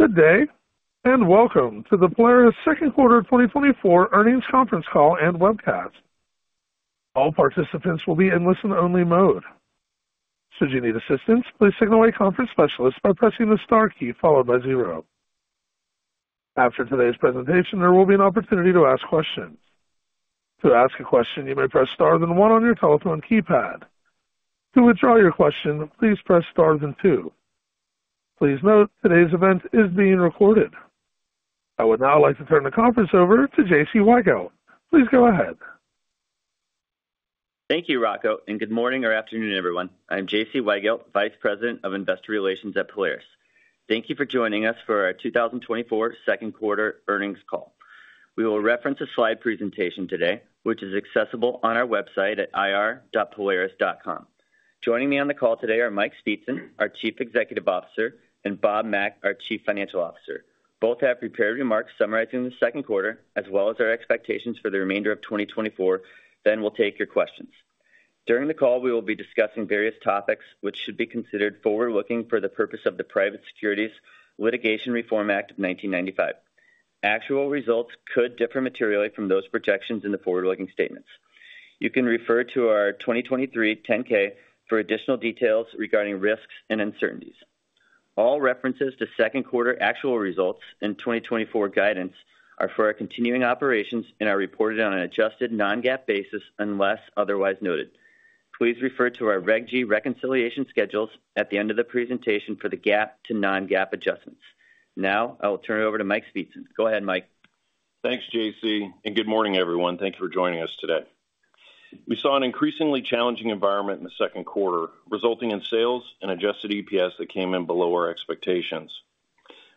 Good day, and welcome to the Polaris second quarter 2024 earnings conference call and webcast. All participants will be in listen-only mode. Should you need assistance, please signal a conference specialist by pressing the star key followed by zero. After today's presentation, there will be an opportunity to ask questions. To ask a question, you may press star then one on your telephone keypad. To withdraw your question, please press star then two. Please note, today's event is being recorded. I would now like to turn the conference over to J.C. Weigelt. Please go ahead. Thank you, Rocco, and good morning or afternoon, everyone. I'm J.C. Weigelt, Vice President of Investor Relations at Polaris. Thank you for joining us for our 2024 second quarter earnings call. We will reference a slide presentation today, which is accessible on our website at ir.polaris.com. Joining me on the call today are Mike Speetzen, our Chief Executive Officer, and Bob Mack, our Chief Financial Officer. Both have prepared remarks summarizing the second quarter, as well as our expectations for the remainder of 2024. Then we'll take your questions. During the call, we will be discussing various topics which should be considered forward-looking for the purpose of the Private Securities Litigation Reform Act of 1995. Actual results could differ materially from those projections in the forward-looking statements. You can refer to our 2023 10-K for additional details regarding risks and uncertainties. All references to second quarter actual results and 2024 guidance are for our continuing operations and are reported on an adjusted non-GAAP basis unless otherwise noted. Please refer to our Reg G reconciliation schedules at the end of the presentation for the GAAP to non-GAAP adjustments. Now, I will turn it over to Mike Speetzen. Go ahead, Mike. Thanks, J.C., and good morning, everyone. Thank you for joining us today. We saw an increasingly challenging environment in the second quarter, resulting in sales and Adjusted EPS that came in below our expectations.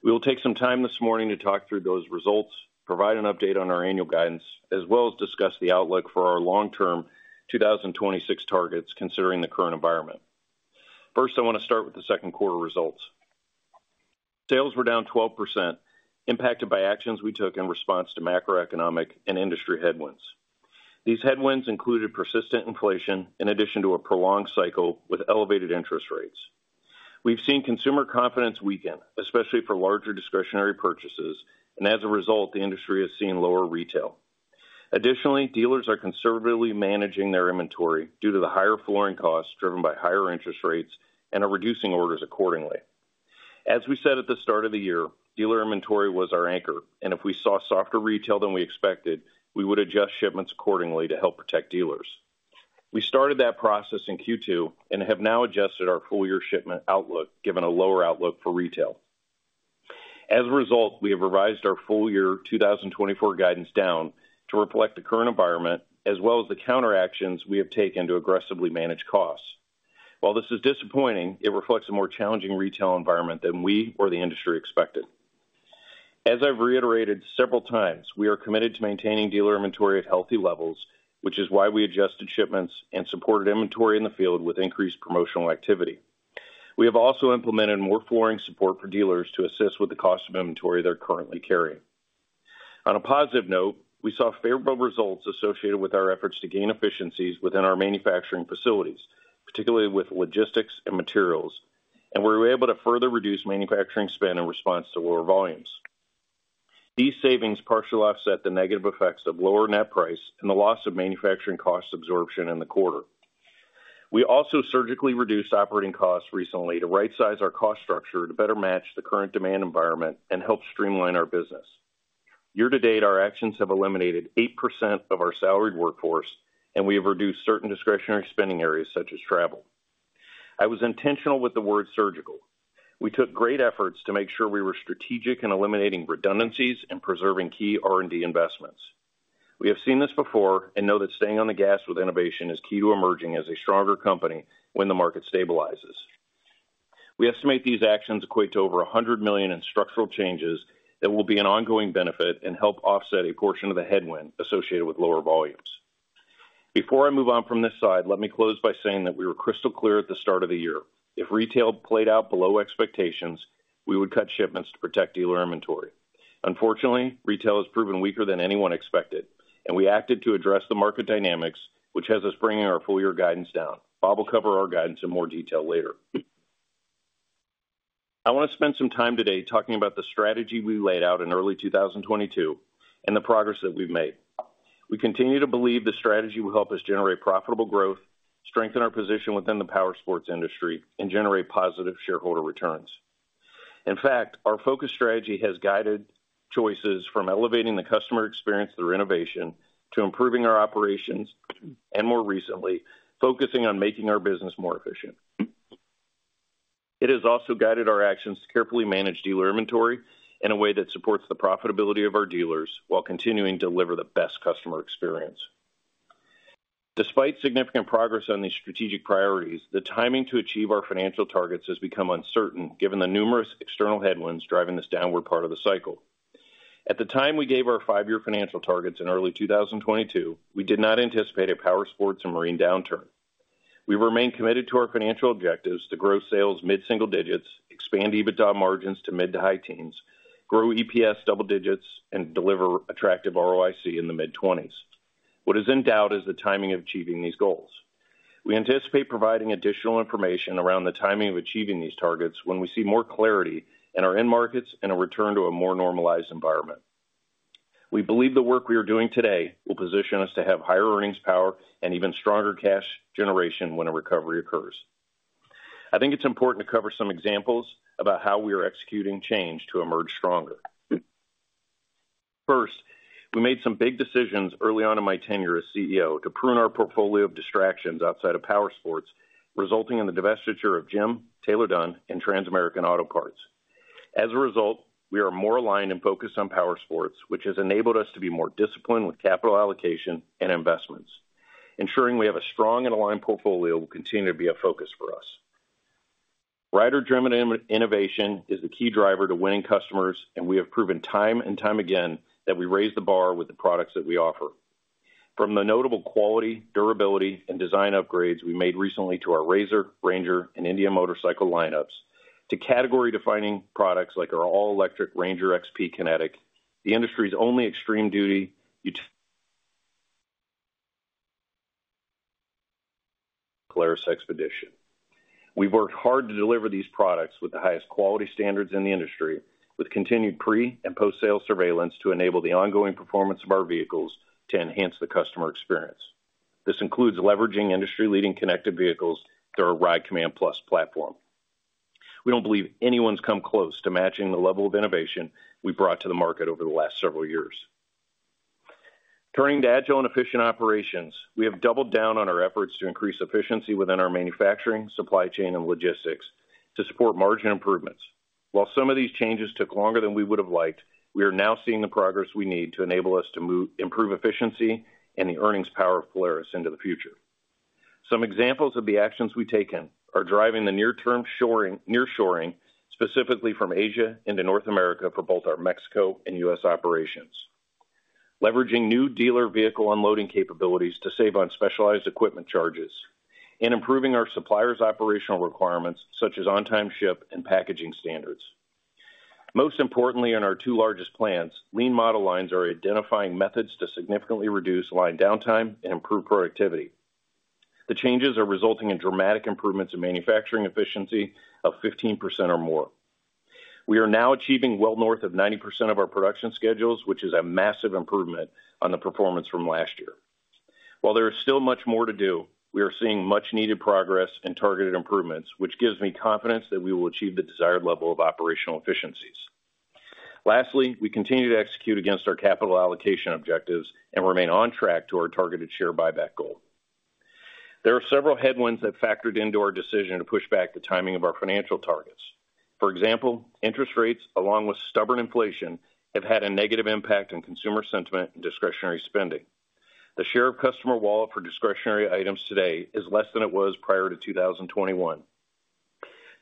We will take some time this morning to talk through those results, provide an update on our annual guidance, as well as discuss the outlook for our long-term 2026 targets, considering the current environment. First, I want to start with the second quarter results. Sales were down 12%, impacted by actions we took in response to macroeconomic and industry headwinds. These headwinds included persistent inflation in addition to a prolonged cycle with elevated interest rates. We've seen consumer confidence weaken, especially for larger discretionary purchases, and as a result, the industry has seen lower retail. Additionally, dealers are conservatively managing their inventory due to the higher flooring costs, driven by higher interest rates, and are reducing orders accordingly. As we said at the start of the year, dealer inventory was our anchor, and if we saw softer retail than we expected, we would adjust shipments accordingly to help protect dealers. We started that process in Q2 and have now adjusted our full year shipment outlook, given a lower outlook for retail. As a result, we have revised our full year 2024 guidance down to reflect the current environment, as well as the counteractions we have taken to aggressively manage costs. While this is disappointing, it reflects a more challenging retail environment than we or the industry expected. As I've reiterated several times, we are committed to maintaining dealer inventory at healthy levels, which is why we adjusted shipments and supported inventory in the field with increased promotional activity. We have also implemented more flooring support for dealers to assist with the cost of inventory they're currently carrying. On a positive note, we saw favorable results associated with our efforts to gain efficiencies within our manufacturing facilities, particularly with logistics and materials, and we were able to further reduce manufacturing spend in response to lower volumes. These savings partially offset the negative effects of lower net price and the loss of manufacturing cost absorption in the quarter. We also surgically reduced operating costs recently to rightsize our cost structure to better match the current demand environment and help streamline our business. Year to date, our actions have eliminated 8% of our salaried workforce, and we have reduced certain discretionary spending areas, such as travel. I was intentional with the word surgical. We took great efforts to make sure we were strategic in eliminating redundancies and preserving key R&D investments. We have seen this before and know that staying on the gas with innovation is key to emerging as a stronger company when the market stabilizes. We estimate these actions equate to over $100 million in structural changes that will be an ongoing benefit and help offset a portion of the headwind associated with lower volumes. Before I move on from this side, let me close by saying that we were crystal clear at the start of the year. If retail played out below expectations, we would cut shipments to protect dealer inventory. Unfortunately, retail has proven weaker than anyone expected, and we acted to address the market dynamics, which has us bringing our full year guidance down. Bob will cover our guidance in more detail later. I want to spend some time today talking about the strategy we laid out in early 2022 and the progress that we've made. We continue to believe the strategy will help us generate profitable growth, strengthen our position within the powersports industry, and generate positive shareholder returns. In fact, our focus strategy has guided choices from elevating the customer experience through innovation to improving our operations, and more recently, focusing on making our business more efficient. It has also guided our actions to carefully manage dealer inventory in a way that supports the profitability of our dealers while continuing to deliver the best customer experience. Despite significant progress on these strategic priorities, the timing to achieve our financial targets has become uncertain, given the numerous external headwinds driving this downward part of the cycle. At the time we gave our five year financial targets in early 2022, we did not anticipate a powersports and marine downturn. We remain committed to our financial objectives to grow sales mid-single digits, expand EBITDA margins to mid- to high teens, grow EPS double digits, and deliver attractive ROIC in the mid-20s. What is in doubt is the timing of achieving these goals. We anticipate providing additional information around the timing of achieving these targets when we see more clarity in our end markets and a return to a more normalized environment. We believe the work we are doing today will position us to have higher earnings power and even stronger cash generation when a recovery occurs. I think it's important to cover some examples about how we are executing change to emerge stronger. First, we made some big decisions early on in my tenure as CEO to prune our portfolio of distractions outside of Powersports, resulting in the divestiture of GEM, Taylor-Dunn, and Transamerican Auto Parts. As a result, we are more aligned and focused on Powersports, which has enabled us to be more disciplined with capital allocation and investments. Ensuring we have a strong and aligned portfolio will continue to be a focus for us. Rider-driven innovation is a key driver to winning customers, and we have proven time and time again that we raise the bar with the products that we offer. From the notable quality, durability, and design upgrades we made recently to our RZR, RANGER, and Indian Motorcycle lineups, to category-defining products like our all-electric RANGER XP Kinetic, the industry's only extreme duty, Polaris Xpedition. We've worked hard to deliver these products with the highest quality standards in the industry, with continued pre- and post-sale surveillance to enable the ongoing performance of our vehicles to enhance the customer experience. This includes leveraging industry-leading connected vehicles through our RIDE COMMAND+ platform. We don't believe anyone's come close to matching the level of innovation we brought to the market over the last several years. Turning to agile and efficient operations, we have doubled down on our efforts to increase efficiency within our manufacturing, supply chain, and logistics to support margin improvements. While some of these changes took longer than we would have liked, we are now seeing the progress we need to enable us to move to improve efficiency and the earnings power of Polaris into the future. Some examples of the actions we've taken are driving the nearshoring, specifically from Asia into North America, for both our Mexico and U.S. operations. Leveraging new dealer vehicle unloading capabilities to save on specialized equipment charges and improving our suppliers' operational requirements, such as on-time ship and packaging standards. Most importantly, in our two largest plants, lean model lines are identifying methods to significantly reduce line downtime and improve productivity. The changes are resulting in dramatic improvements in manufacturing efficiency of 15% or more. We are now achieving well north of 90% of our production schedules, which is a massive improvement on the performance from last year. While there is still much more to do, we are seeing much needed progress and targeted improvements, which gives me confidence that we will achieve the desired level of operational efficiencies. Lastly, we continue to execute against our capital allocation objectives and remain on track to our targeted share buyback goal. There are several headwinds that factored into our decision to push back the timing of our financial targets. For example, interest rates, along with stubborn inflation, have had a negative impact on consumer sentiment and discretionary spending. The share of customer wallet for discretionary items today is less than it was prior to 2021.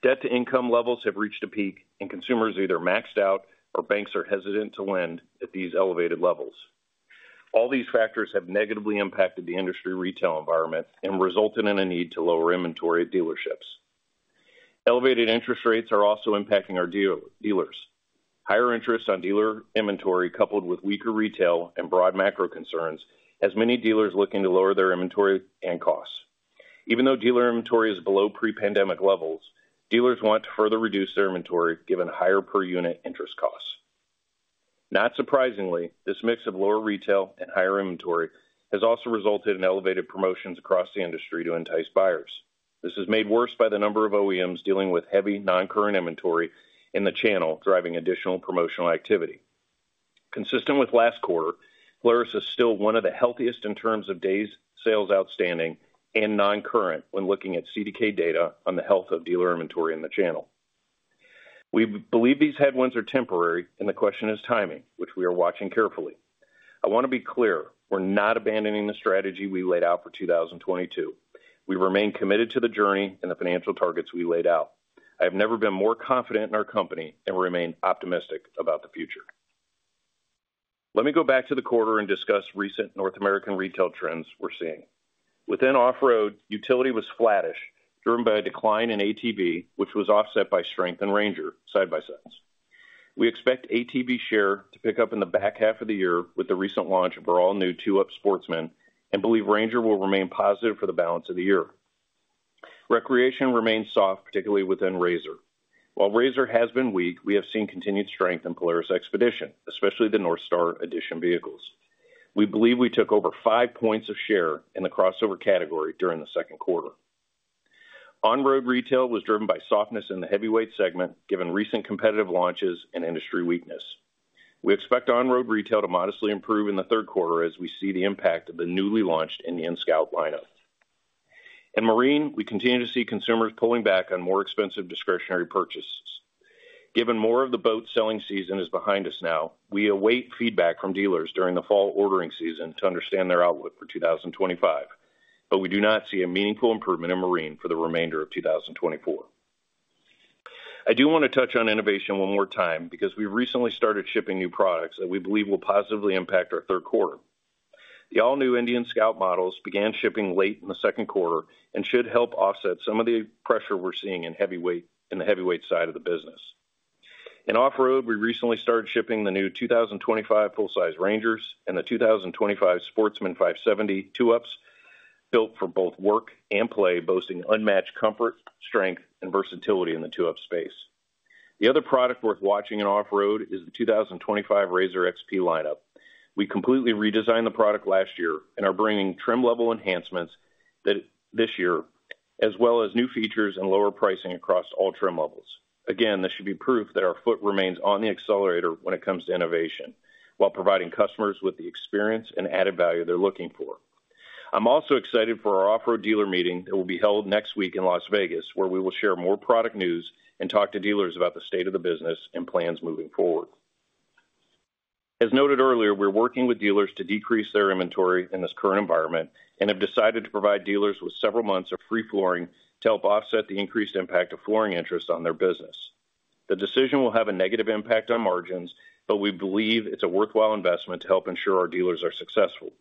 Debt-to-income levels have reached a peak, and consumers are either maxed out or banks are hesitant to lend at these elevated levels. All these factors have negatively impacted the industry retail environment and resulted in a need to lower inventory at dealerships. Elevated interest rates are also impacting our dealers. Higher interest on dealer inventory, coupled with weaker retail and broad macro concerns, has many dealers looking to lower their inventory and costs. Even though dealer inventory is below pre-pandemic levels, dealers want to further reduce their inventory, given higher per-unit interest costs. Not surprisingly, this mix of lower retail and higher inventory has also resulted in elevated promotions across the industry to entice buyers. This is made worse by the number of OEMs dealing with heavy non-current inventory in the channel, driving additional promotional activity. Consistent with last quarter, Polaris is still one of the healthiest in terms of days sales outstanding and non-current when looking at CDK data on the health of dealer inventory in the channel. We believe these headwinds are temporary, and the question is timing, which we are watching carefully. I want to be clear, we're not abandoning the strategy we laid out for 2022. We remain committed to the journey and the financial targets we laid out. I have never been more confident in our company and remain optimistic about the future. Let me go back to the quarter and discuss recent North American retail trends we're seeing. Within off-road, utility was flattish, driven by a decline in ATV, which was offset by strength in RANGER side-by-sides. We expect ATV share to pick up in the back half of the year with the recent launch of our all-new 2-Up Sportsman, and believe RANGER will remain positive for the balance of the year. Recreation remains soft, particularly within RZR. While RZR has been weak, we have seen continued strength in Polaris Xpedition, especially the NorthStar Edition vehicles. We believe we took over 5 points of share in the crossover category during the second quarter. On-road retail was driven by softness in the heavyweight segment, given recent competitive launches and industry weakness. We expect on-road retail to modestly improve in the third quarter as we see the impact of the newly launched Indian Scout lineup. In Marine, we continue to see consumers pulling back on more expensive discretionary purchases. Given more of the boat selling season is behind us now, we await feedback from dealers during the fall ordering season to understand their outlook for 2025, but we do not see a meaningful improvement in Marine for the remainder of 2024. I do want to touch on innovation one more time because we recently started shipping new products that we believe will positively impact our third quarter. The all-new Indian Scout models began shipping late in the second quarter and should help offset some of the pressure we're seeing in the heavyweight side of the business. In Off-Road, we recently started shipping the new 2025 full-size Rangers and the 2025 Sportsman 570 2-Ups, built for both work and play, boasting unmatched comfort, strength, and versatility in the two-up space. The other product worth watching in Off-Road is the 2025 RZR XP lineup. We completely redesigned the product last year and are bringing trim level enhancements that this year, as well as new features and lower pricing across all trim levels. Again, this should be proof that our foot remains on the accelerator when it comes to innovation, while providing customers with the experience and added value they're looking for. I'm also excited for our Off-Road dealer meeting that will be held next week in Las Vegas, where we will share more product news and talk to dealers about the state of the business and plans moving forward. As noted earlier, we're working with dealers to decrease their inventory in this current environment and have decided to provide dealers with several months of free flooring to help offset the increased impact of flooring interest on their business. The decision will have a negative impact on margins, but we believe it's a worthwhile investment to help ensure our dealers are successful.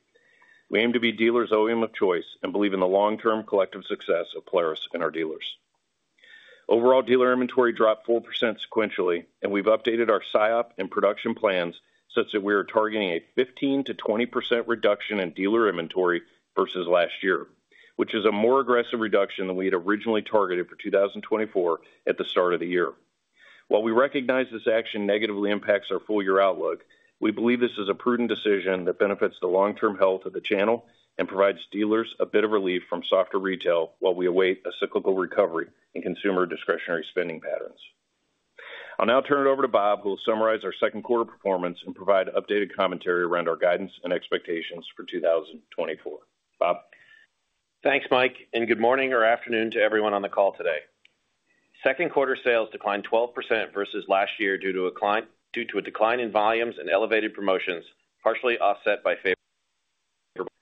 We aim to be dealers' OEM of choice and believe in the long-term collective success of Polaris and our dealers. Overall, dealer inventory dropped 4% sequentially, and we've updated our SIOP and production plans such that we are targeting a 15%-20% reduction in dealer inventory versus last year, which is a more aggressive reduction than we had originally targeted for 2024 at the start of the year. While we recognize this action negatively impacts our full-year outlook, we believe this is a prudent decision that benefits the long-term health of the channel and provides dealers a bit of relief from softer retail while we await a cyclical recovery in consumer discretionary spending patterns. I'll now turn it over to Bob, who will summarize our second quarter performance and provide updated commentary around our guidance and expectations for 2024. Bob? Thanks, Mike, and good morning or afternoon to everyone on the call today. Second quarter sales declined 12% versus last year due to a decline in volumes and elevated promotions, partially offset by favor.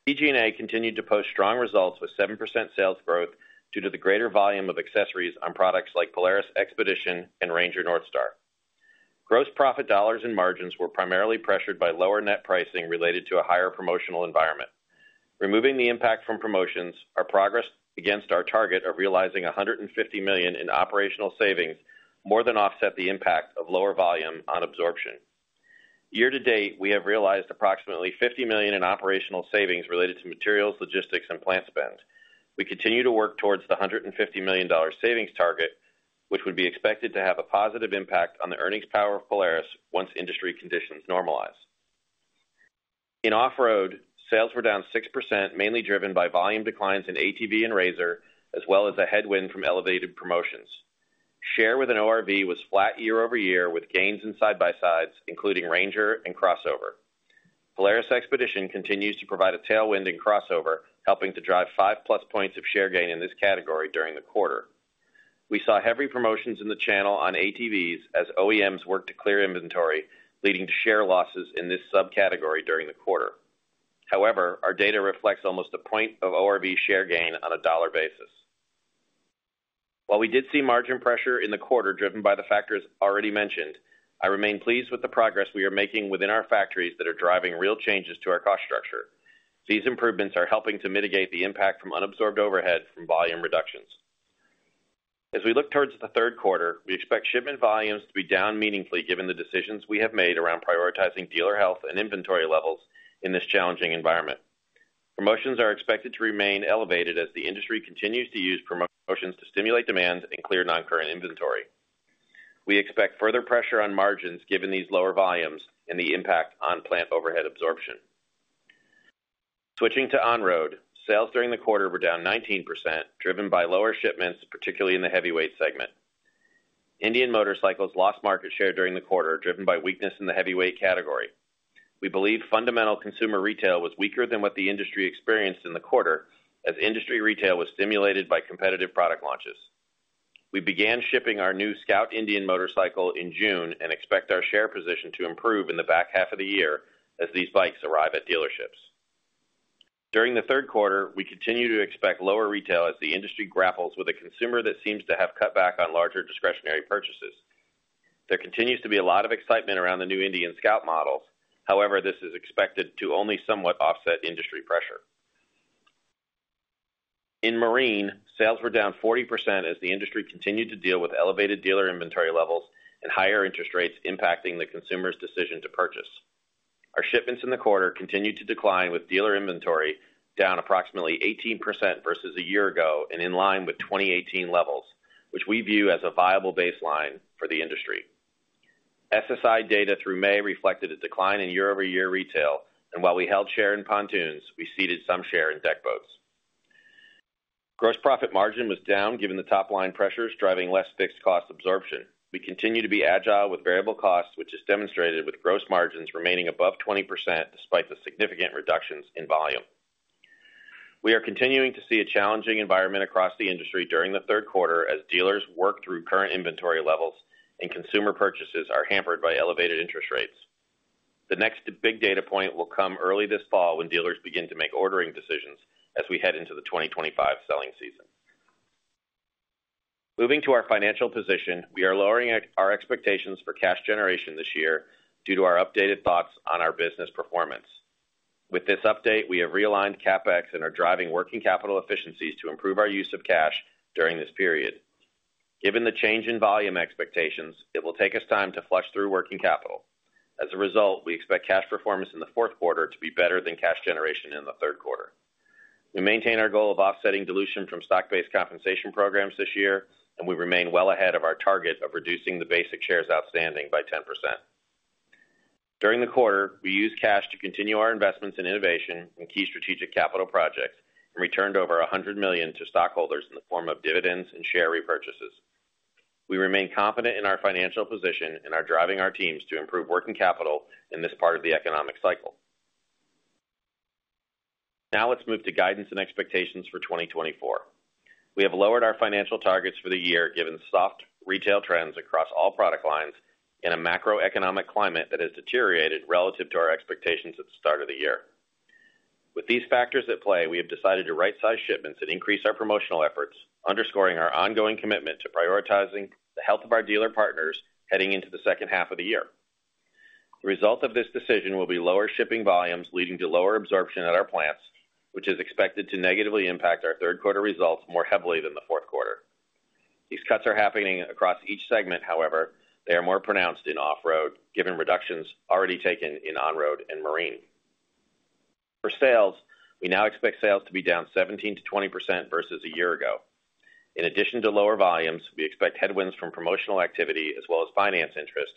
PG&A continued to post strong results with 7% sales growth due to the greater volume of accessories on products like Polaris Xpedition and RANGER NorthStar. Gross profit dollars and margins were primarily pressured by lower net pricing related to a higher promotional environment. Removing the impact from promotions, our progress against our target of realizing $150 million in operational savings more than offset the impact of lower volume on absorption. Year-to-date, we have realized approximately $50 million in operational savings related to materials, logistics, and plant spend. We continue to work towards the $150 million savings target, which would be expected to have a positive impact on the earnings power of Polaris once industry conditions normalize. In Off-Road, sales were down 6%, mainly driven by volume declines in ATV and RZR, as well as a headwind from elevated promotions. Share within ORV was flat year-over-year, with gains in side-by-sides, including RANGER and Crossover. Polaris Xpedition continues to provide a tailwind in Crossover, helping to drive 5+ points of share gain in this category during the quarter. We saw heavy promotions in the channel on ATVs as OEMs worked to clear inventory, leading to share losses in this subcategory during the quarter. However, our data reflects almost a point of ORV share gain on a dollar basis. While we did see margin pressure in the quarter driven by the factors already mentioned, I remain pleased with the progress we are making within our factories that are driving real changes to our cost structure. These improvements are helping to mitigate the impact from unabsorbed overhead from volume reductions. As we look towards the third quarter, we expect shipment volumes to be down meaningfully, given the decisions we have made around prioritizing dealer health and inventory levels in this challenging environment. Promotions are expected to remain elevated as the industry continues to use promotions to stimulate demand and clear non-current inventory. We expect further pressure on margins given these lower volumes and the impact on plant overhead absorption. Switching to On-Road, sales during the quarter were down 19%, driven by lower shipments, particularly in the heavyweight segment. Indian Motorcycle lost market share during the quarter, driven by weakness in the heavyweight category. We believe fundamental consumer retail was weaker than what the industry experienced in the quarter, as industry retail was stimulated by competitive product launches. We began shipping our new Indian Scout in June and expect our share position to improve in the back half of the year as these bikes arrive at dealerships. During the third quarter, we continue to expect lower retail as the industry grapples with a consumer that seems to have cut back on larger discretionary purchases. There continues to be a lot of excitement around the new Indian Scout models. However, this is expected to only somewhat offset industry pressure. In Marine, sales were down 40% as the industry continued to deal with elevated dealer inventory levels and higher interest rates impacting the consumer's decision to purchase. Our shipments in the quarter continued to decline, with dealer inventory down approximately 18% versus a year ago and in line with 2018 levels, which we view as a viable baseline for the industry. SSI data through May reflected a decline in year-over-year retail, and while we held share in pontoons, we ceded some share in deck boats. Gross profit margin was down given the top-line pressures driving less fixed cost absorption. We continue to be agile with variable costs, which is demonstrated with gross margins remaining above 20% despite the significant reductions in volume. We are continuing to see a challenging environment across the industry during the third quarter as dealers work through current inventory levels and consumer purchases are hampered by elevated interest rates. The next big data point will come early this fall when dealers begin to make ordering decisions as we head into the 2025 selling season. Moving to our financial position, we are lowering our expectations for cash generation this year due to our updated thoughts on our business performance. With this update, we have realigned CapEx and are driving working capital efficiencies to improve our use of cash during this period. Given the change in volume expectations, it will take us time to flush through working capital. As a result, we expect cash performance in the fourth quarter to be better than cash generation in the third quarter. We maintain our goal of offsetting dilution from stock-based compensation programs this year, and we remain well ahead of our target of reducing the basic shares outstanding by 10%. During the quarter, we used cash to continue our investments in innovation and key strategic capital projects, and returned over $100 million to stockholders in the form of dividends and share repurchases. We remain confident in our financial position and are driving our teams to improve working capital in this part of the economic cycle. Now let's move to guidance and expectations for 2024. We have lowered our financial targets for the year, given soft retail trends across all product lines in a macroeconomic climate that has deteriorated relative to our expectations at the start of the year. With these factors at play, we have decided to rightsize shipments and increase our promotional efforts, underscoring our ongoing commitment to prioritizing the health of our dealer partners heading into the second half of the year. The result of this decision will be lower shipping volumes, leading to lower absorption at our plants, which is expected to negatively impact our third quarter results more heavily than the fourth quarter. These cuts are happening across each segment. However, they are more pronounced in off-road, given reductions already taken in on-road and marine. For sales, we now expect sales to be down 17%-20% versus a year ago. In addition to lower volumes, we expect headwinds from promotional activity as well as finance interest,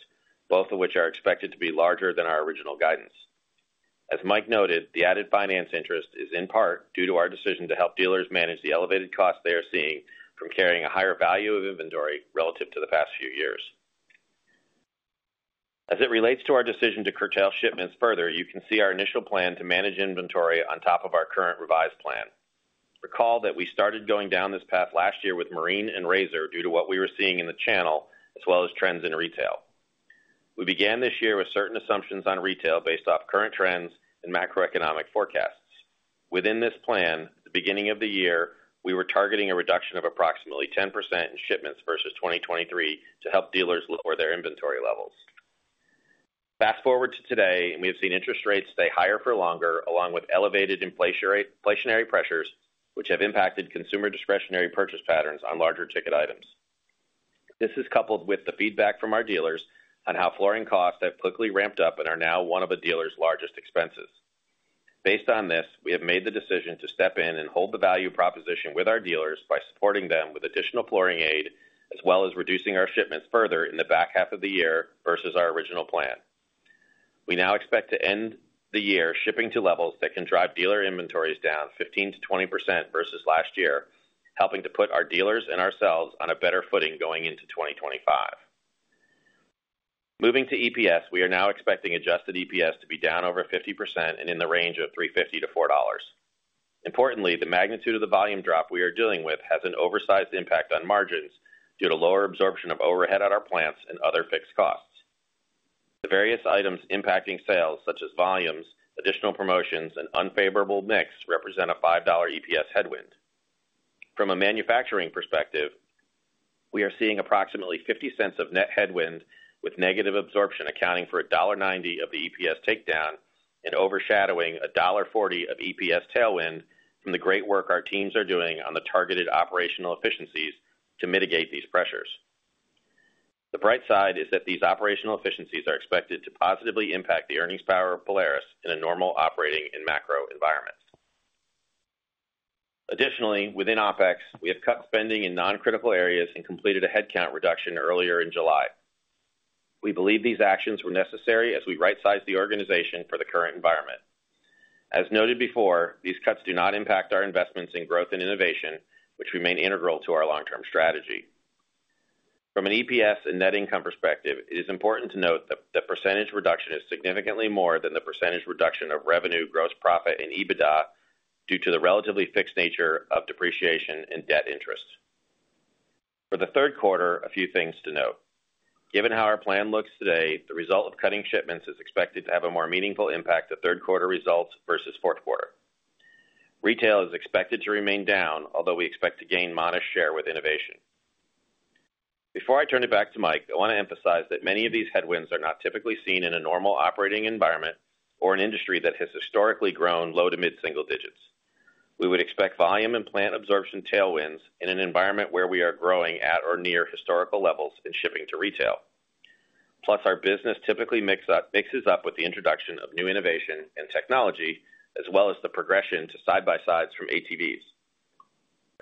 both of which are expected to be larger than our original guidance. As Mike noted, the added finance interest is in part due to our decision to help dealers manage the elevated costs they are seeing from carrying a higher value of inventory relative to the past few years. As it relates to our decision to curtail shipments further, you can see our initial plan to manage inventory on top of our current revised plan. Recall that we started going down this path last year with Marine and RZR due to what we were seeing in the channel, as well as trends in retail. We began this year with certain assumptions on retail based off current trends and macroeconomic forecasts. Within this plan, the beginning of the year, we were targeting a reduction of approximately 10% in shipments versus 2023 to help dealers lower their inventory levels. Fast forward to today, and we have seen interest rates stay higher for longer, along with elevated inflationary pressures, which have impacted consumer discretionary purchase patterns on larger ticket items. This is coupled with the feedback from our dealers on how flooring costs have quickly ramped up and are now one of the dealers' largest expenses. Based on this, we have made the decision to step in and hold the value proposition with our dealers by supporting them with additional flooring aid, as well as reducing our shipments further in the back half of the year versus our original plan. We now expect to end the year shipping to levels that can drive dealer inventories down 15%-20% versus last year, helping to put our dealers and ourselves on a better footing going into 2025. Moving to EPS, we are now expecting adjusted EPS to be down over 50% and in the range of $3.50-$4. Importantly, the magnitude of the volume drop we are dealing with has an oversized impact on margins due to lower absorption of overhead at our plants and other fixed costs. The various items impacting sales, such as volumes, additional promotions, and unfavorable mix, represent a $5 EPS headwind. From a manufacturing perspective, we are seeing approximately $0.50 of net headwind, with negative absorption accounting for $1.90 of the EPS takedown and overshadowing $1.40 of EPS tailwind from the great work our teams are doing on the targeted operational efficiencies to mitigate these pressures. The bright side is that these operational efficiencies are expected to positively impact the earnings power of Polaris in a normal operating and macro environment. Additionally, within OpEx, we have cut spending in non-critical areas and completed a headcount reduction earlier in July. We believe these actions were necessary as we rightsize the organization for the current environment. As noted before, these cuts do not impact our investments in growth and innovation, which remain integral to our long-term strategy. From an EPS and net income perspective, it is important to note that the percentage reduction is significantly more than the percentage reduction of revenue, gross profit and EBITDA due to the relatively fixed nature of depreciation and debt interest. For the third quarter, a few things to note: Given how our plan looks today, the result of cutting shipments is expected to have a more meaningful impact to third quarter results versus fourth quarter. Retail is expected to remain down, although we expect to gain modest share with innovation. Before I turn it back to Mike, I want to emphasize that many of these headwinds are not typically seen in a normal operating environment or an industry that has historically grown low- to mid-single digits. We would expect volume and plant absorption tailwinds in an environment where we are growing at or near historical levels in shipping to retail. Plus, our business typically mixes up with the introduction of new innovation and technology, as well as the progression to side-by-sides from ATVs.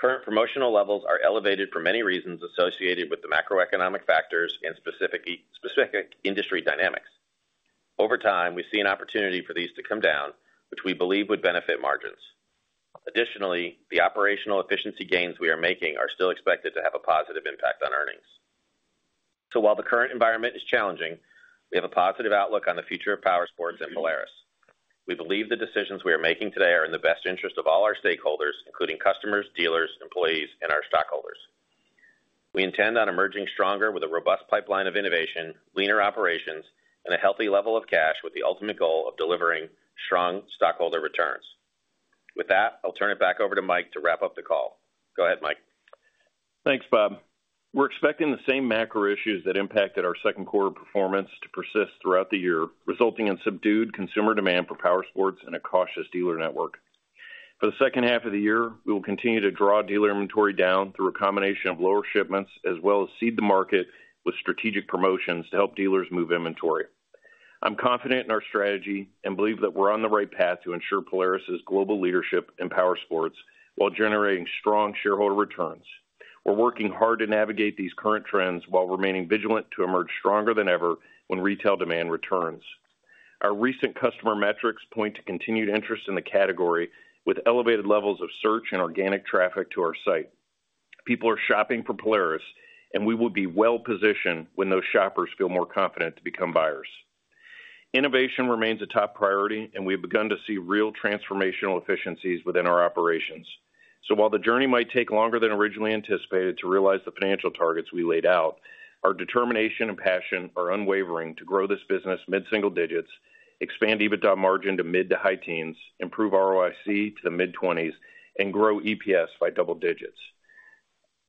Current promotional levels are elevated for many reasons associated with the macroeconomic factors and specific, specific industry dynamics. Over time, we see an opportunity for these to come down, which we believe would benefit margins. Additionally, the operational efficiency gains we are making are still expected to have a positive impact on earnings. While the current environment is challenging, we have a positive outlook on the future of powersports at Polaris. We believe the decisions we are making today are in the best interest of all our stakeholders, including customers, dealers, employees, and our stockholders. We intend on emerging stronger with a robust pipeline of innovation, leaner operations, and a healthy level of cash, with the ultimate goal of delivering strong stockholder returns... With that, I'll turn it back over to Mike to wrap up the call. Go ahead, Mike. Thanks, Bob. We're expecting the same macro issues that impacted our second quarter performance to persist throughout the year, resulting in subdued consumer demand for powersports and a cautious dealer network. For the second half of the year, we will continue to draw dealer inventory down through a combination of lower shipments, as well as seed the market with strategic promotions to help dealers move inventory. I'm confident in our strategy and believe that we're on the right path to ensure Polaris' global leadership in powersports, while generating strong shareholder returns. We're working hard to navigate these current trends while remaining vigilant to emerge stronger than ever when retail demand returns. Our recent customer metrics point to continued interest in the category, with elevated levels of search and organic traffic to our site. People are shopping for Polaris, and we will be well-positioned when those shoppers feel more confident to become buyers. Innovation remains a top priority, and we've begun to see real transformational efficiencies within our operations. So while the journey might take longer than originally anticipated to realize the financial targets we laid out, our determination and passion are unwavering to grow this business mid-single digits, expand EBITDA margin to mid to high teens, improve ROIC to the mid-twenties, and grow EPS by double digits.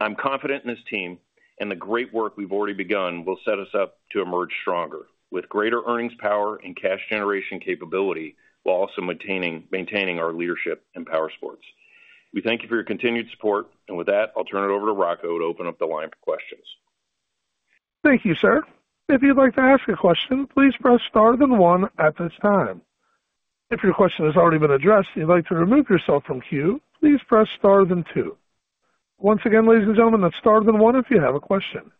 I'm confident in this team, and the great work we've already begun will set us up to emerge stronger, with greater earnings, power, and cash generation capability, while also maintaining our leadership in powersports. We thank you for your continued support, and with that, I'll turn it over to Rocco to open up the line for questions. Thank you, sir. If you'd like to ask a question, please press star then one at this time. If your question has already been addressed, and you'd like to remove yourself from queue, please press star, then two. Once again, ladies and gentlemen, that's star, then one, if you have a question.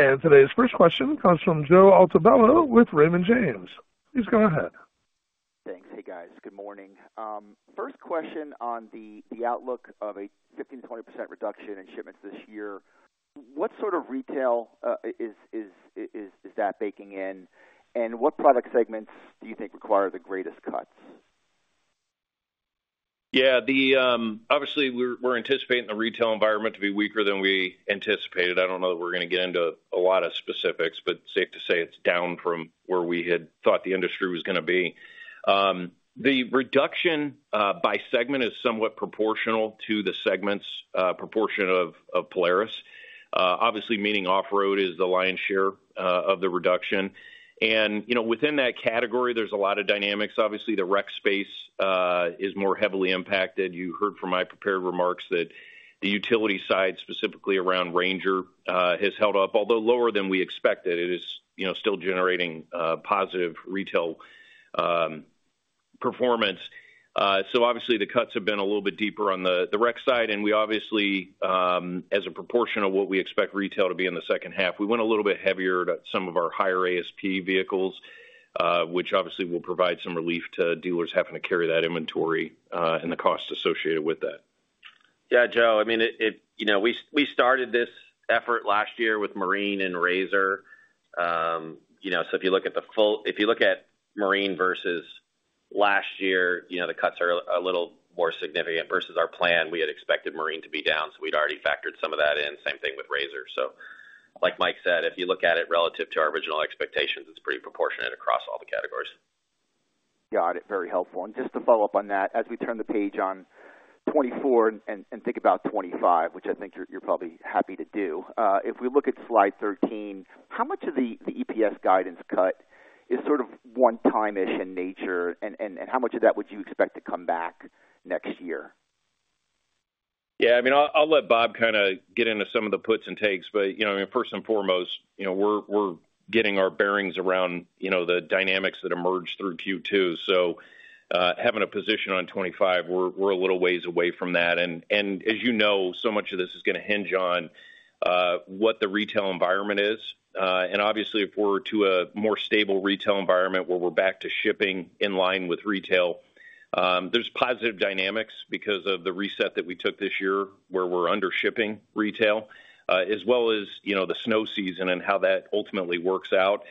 Today's first question comes from Joe Altobello with Raymond James. Please go ahead. Thanks. Hey, guys. Good morning. First question on the outlook of a 15%-20% reduction in shipments this year. What sort of retail is that baking in, and what product segments do you think require the greatest cuts? Yeah, obviously, we're anticipating the retail environment to be weaker than we anticipated. I don't know that we're going to get into a lot of specifics, but safe to say it's down from where we had thought the industry was gonna be. The reduction by segment is somewhat proportional to the segment's proportion of Polaris. Obviously, meaning off-road is the lion's share of the reduction. And, you know, within that category, there's a lot of dynamics. Obviously, the rec space is more heavily impacted. You heard from my prepared remarks that the utility side, specifically around Ranger, has held up. Although lower than we expected, it is, you know, still generating positive retail performance. So obviously, the cuts have been a little bit deeper on the rec side, and we obviously, as a proportion of what we expect retail to be in the second half, we went a little bit heavier to some of our higher ASP vehicles, which obviously will provide some relief to dealers having to carry that inventory, and the costs associated with that. Yeah, Joe, I mean, it-- you know, we started this effort last year with Marine and RZR. You know, so if you look at Marine versus last year, you know, the cuts are a little more significant versus our plan. We had expected Marine to be down, so we'd already factored some of that in. Same thing with RZR. So like Mike said, if you look at it relative to our original expectations, it's pretty proportionate across all the categories. Got it. Very helpful. And just to follow up on that, as we turn the page on 2024 and think about 2025, which I think you're probably happy to do. If we look at slide 13, how much of the EPS guidance cut is sort of one-time-ish in nature, and how much of that would you expect to come back next year? Yeah, I mean, I'll let Bob kinda get into some of the puts and takes, but, you know, first and foremost, you know, we're getting our bearings around, you know, the dynamics that emerged through Q2. So, having a position on 25, we're a little ways away from that. And as you know, so much of this is gonna hinge on what the retail environment is. And obviously, if we're to a more stable retail environment where we're back to shipping in line with retail, there's positive dynamics because of the reset that we took this year, where we're under shipping retail, as well as, you know, the snow season and how that ultimately works out.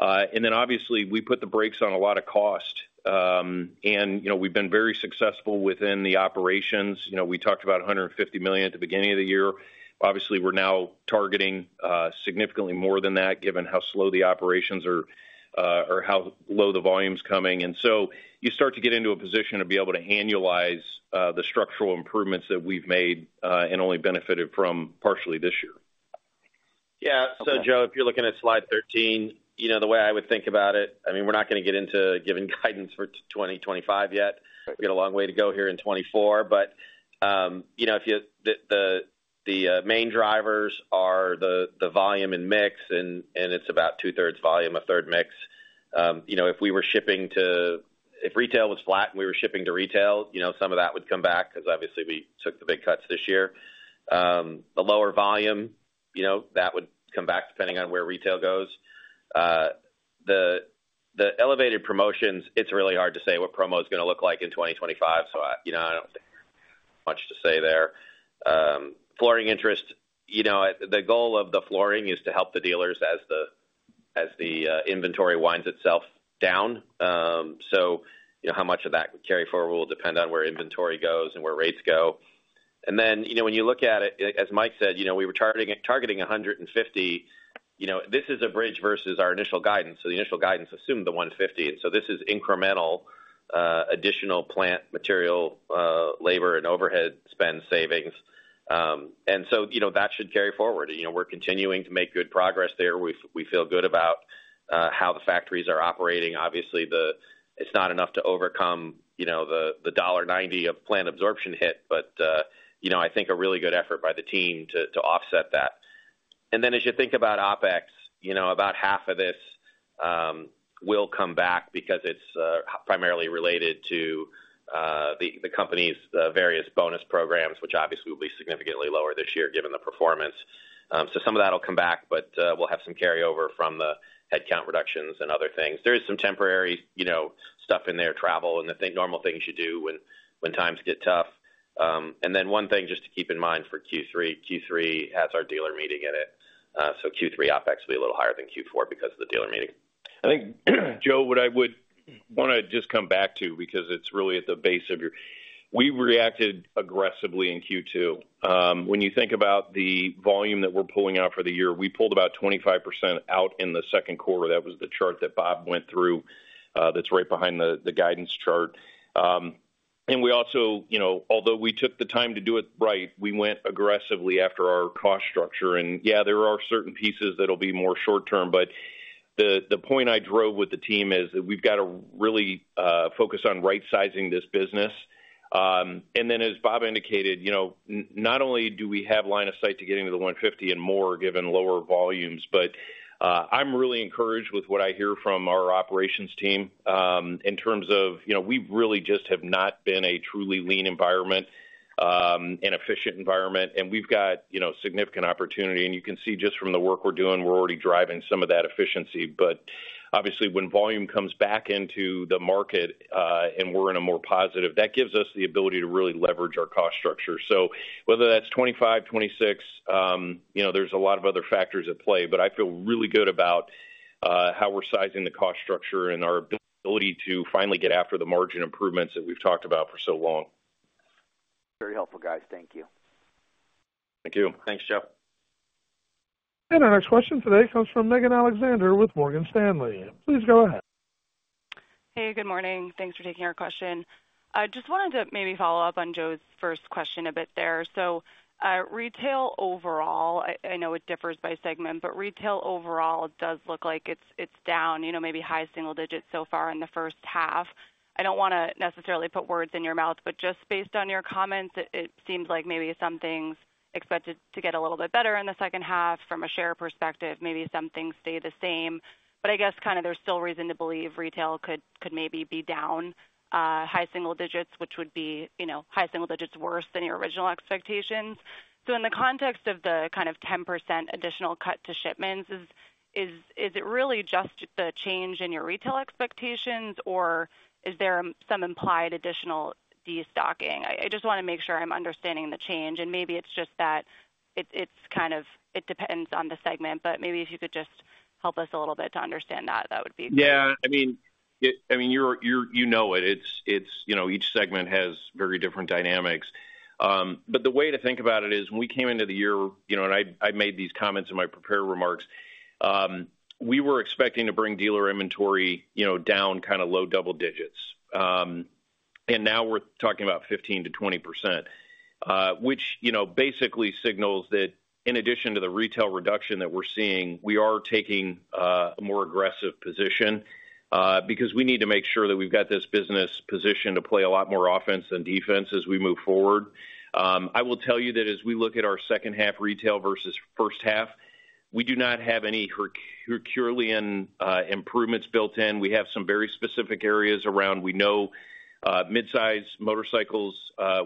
And then obviously, we put the brakes on a lot of cost, and, you know, we've been very successful within the operations. You know, we talked about $150 million at the beginning of the year. Obviously, we're now targeting significantly more than that, given how slow the operations are, or how low the volume's coming. And so you start to get into a position to be able to annualize the structural improvements that we've made, and only benefited from partially this year. Yeah. So, Joe, if you're looking at slide 13, you know, the way I would think about it, I mean, we're not gonna get into giving guidance for 2025 yet. Right. We've got a long way to go here in 2024, but, you know, if the main drivers are the volume and mix, and it's about 2/3 volume, 1/3 mix. You know, if we were shipping to—if retail was flat and we were shipping to retail, you know, some of that would come back because obviously we took the big cuts this year. The lower volume, you know, that would come back depending on where retail goes. The elevated promotions, it's really hard to say what promo is gonna look like in 2025, so I, you know, I don't have much to say there. Flooring interest, you know, the goal of the flooring is to help the dealers as the inventory winds itself down. So, you know, how much of that we carry forward will depend on where inventory goes and where rates go. And then, you know, when you look at it, as Mike said, you know, we were targeting 150. You know, this is a bridge versus our initial guidance. So the initial guidance assumed the 150, and so this is incremental additional plant material, labor and overhead spend savings. And so, you know, that should carry forward. You know, we're continuing to make good progress there. We feel good about how the factories are operating. Obviously, it's not enough to overcome, you know, the $1.90 of plant absorption hit, but, you know, I think a really good effort by the team to offset that. And then as you think about OpEx, you know, about half of this will come back because it's primarily related to the company's various bonus programs, which obviously will be significantly lower this year given the performance. So some of that will come back, but we'll have some carryover from the headcount reductions and other things. There is some temporary, you know, stuff in there, travel, and normal things you do when times get tough. And then one thing just to keep in mind for Q3, Q3 has our dealer meeting in it. So Q3 OpEx will be a little higher than Q4 because of the dealer meeting. I think, Joe, what I would wanna just come back to, because it's really at the base of your... We reacted aggressively in Q2. When you think about the volume that we're pulling out for the year, we pulled about 25% out in the second quarter. That was the chart that Bob went through, that's right behind the guidance chart. And we also, you know, although we took the time to do it right, we went aggressively after our cost structure. And yeah, there are certain pieces that'll be more short term, but the point I drove with the team is that we've got to really focus on rightsizing this business. And then, as Bob indicated, you know, not only do we have line of sight to getting to the $150 and more given lower volumes, but I'm really encouraged with what I hear from our operations team, in terms of, you know, we really just have not been a truly lean environment, an efficient environment, and we've got, you know, significant opportunity. And you can see just from the work we're doing, we're already driving some of that efficiency. But obviously, when volume comes back into the market, and we're in a more positive, that gives us the ability to really leverage our cost structure. So whether that's 25, 26, you know, there's a lot of other factors at play, but I feel really good about how we're sizing the cost structure and our ability to finally get after the margin improvements that we've talked about for so long. Very helpful, guys. Thank you. Thank you. Thanks, Joe. Our next question today comes from Megan Alexander with Morgan Stanley. Please go ahead. Hey, good morning. Thanks for taking our question. I just wanted to maybe follow up on Joe's first question a bit there. So, retail overall, I know it differs by segment, but retail overall does look like it's down, you know, maybe high single digits so far in the first half. I don't wanna necessarily put words in your mouth, but just based on your comments, it seems like maybe some things expected to get a little bit better in the second half from a share perspective, maybe some things stay the same. But I guess kind of there's still reason to believe retail could maybe be down, high single digits, which would be, you know, high single digits worse than your original expectations. So in the context of the kind of 10% additional cut to shipments, is it really just the change in your retail expectations, or is there some implied additional destocking? I just wanna make sure I'm understanding the change, and maybe it's just that it's kind of it depends on the segment, but maybe if you could just help us a little bit to understand that, that would be great. Yeah, I mean, you're, you know it. It's, you know, each segment has very different dynamics. But the way to think about it is, when we came into the year, you know, and I made these comments in my prepared remarks, we were expecting to bring dealer inventory, you know, down kind of low double digits. And now we're talking about 15%-20%, which, you know, basically signals that in addition to the retail reduction that we're seeing, we are taking a more aggressive position, because we need to make sure that we've got this business positioned to play a lot more offense than defense as we move forward. I will tell you that as we look at our second half retail versus first half, we do not have any Herculean improvements built in. We have some very specific areas around. We know mid-size motorcycles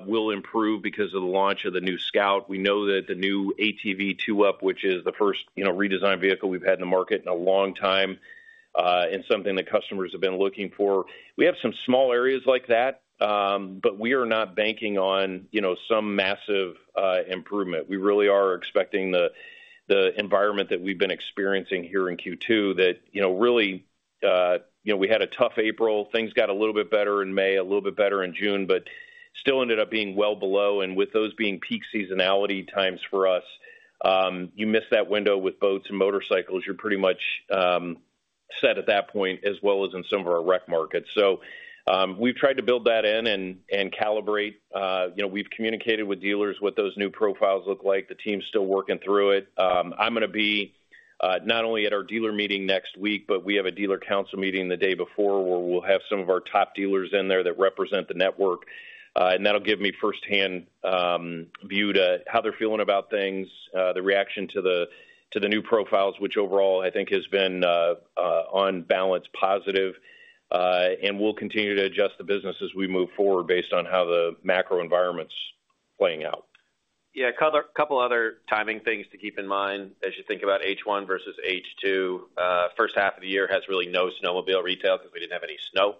will improve because of the launch of the new Scout. We know that the new ATV 2-Up, which is the first, you know, redesigned vehicle we've had in the market in a long time, and something that customers have been looking for. We have some small areas like that, but we are not banking on, you know, some massive improvement. We really are expecting the environment that we've been experiencing here in Q2, that, you know, really, you know, we had a tough April. Things got a little bit better in May, a little bit better in June, but still ended up being well below. And with those being peak seasonality times for us, you miss that window with boats and motorcycles, you're pretty much set at that point, as well as in some of our rec markets. So, we've tried to build that in and calibrate. You know, we've communicated with dealers what those new profiles look like. The team's still working through it. I'm gonna be not only at our dealer meeting next week, but we have a dealer council meeting the day before, where we'll have some of our top dealers in there that represent the network. And that'll give me firsthand view to how they're feeling about things, the reaction to the new profiles, which overall I think has been on balance positive. And we'll continue to adjust the business as we move forward based on how the macro environment's playing out. Yeah, a couple other timing things to keep in mind as you think about H1 versus H2. First half of the year has really no snowmobile retail because we didn't have any snow.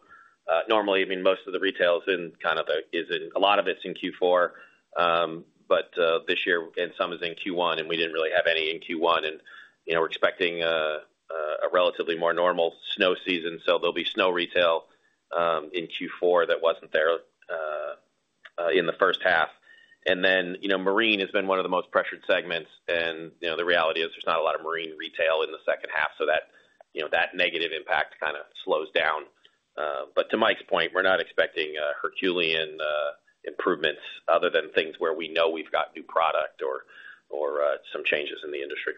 Normally, I mean, most of the retail is in kind of the, is in a lot of it's in Q4, but this year, and some is in Q1, and we didn't really have any in Q1. And, you know, we're expecting a relatively more normal snow season, so there'll be snow retail in Q4 that wasn't there in the first half. And then, you know, Marine has been one of the most pressured segments, and, you know, the reality is there's not a lot of marine retail in the second half, so that negative impact kind of slows down. To Mike's point, we're not expecting herculean improvements other than things where we know we've got new product or some changes in the industry.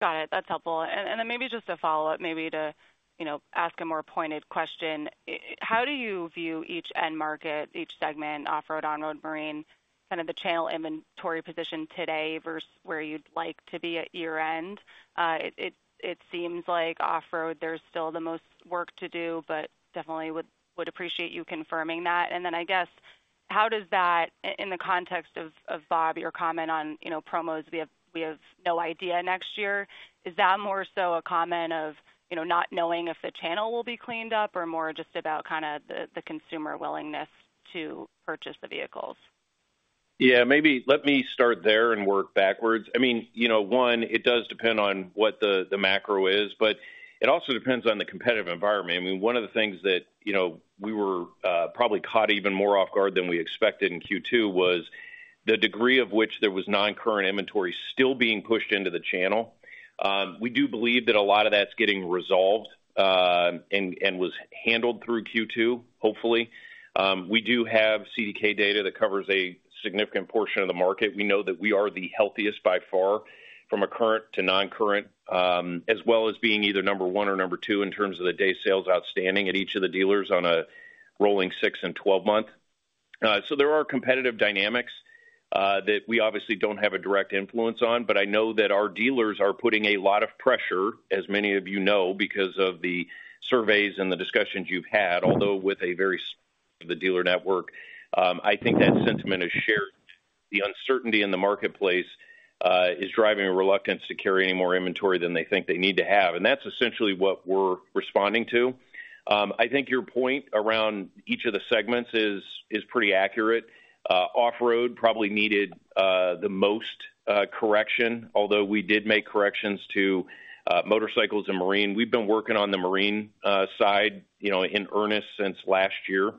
Got it. That's helpful. And then maybe just a follow-up, maybe to, you know, ask a more pointed question. How do you view each end market, each segment, off-road, on-road, marine, kind of the channel inventory position today versus where you'd like to be at year-end? It seems like off-road, there's still the most work to do, but definitely would appreciate you confirming that. And then I guess, how does that in the context of Bob, your comment on, you know, promos, we have no idea next year. Is that more so a comment of, you know, not knowing if the channel will be cleaned up, or more just about kind of the consumer willingness to purchase the vehicles? Yeah, maybe let me start there and work backwards. I mean, you know, one, it does depend on what the macro is, but it also depends on the competitive environment. I mean, one of the things that, you know, we were probably caught even more off guard than we expected in Q2, was the degree of which there was non-current inventory still being pushed into the channel. We do believe that a lot of that's getting resolved, and was handled through Q2, hopefully. We do have CDK data that covers a significant portion of the market. We know that we are the healthiest by far from a current to non-current, as well as being either number one or number two in terms of the days sales outstanding at each of the dealers on a rolling six and 12 month. So there are competitive dynamics that we obviously don't have a direct influence on, but I know that our dealers are putting a lot of pressure, as many of you know, because of the surveys and the discussions you've had, although with the dealer network, I think that sentiment is shared. The uncertainty in the marketplace is driving a reluctance to carry any more inventory than they think they need to have, and that's essentially what we're responding to. I think your point around each of the segments is pretty accurate. Off-road probably needed the most correction, although we did make corrections to motorcycles and marine. We've been working on the marine side, you know, in earnest since last year,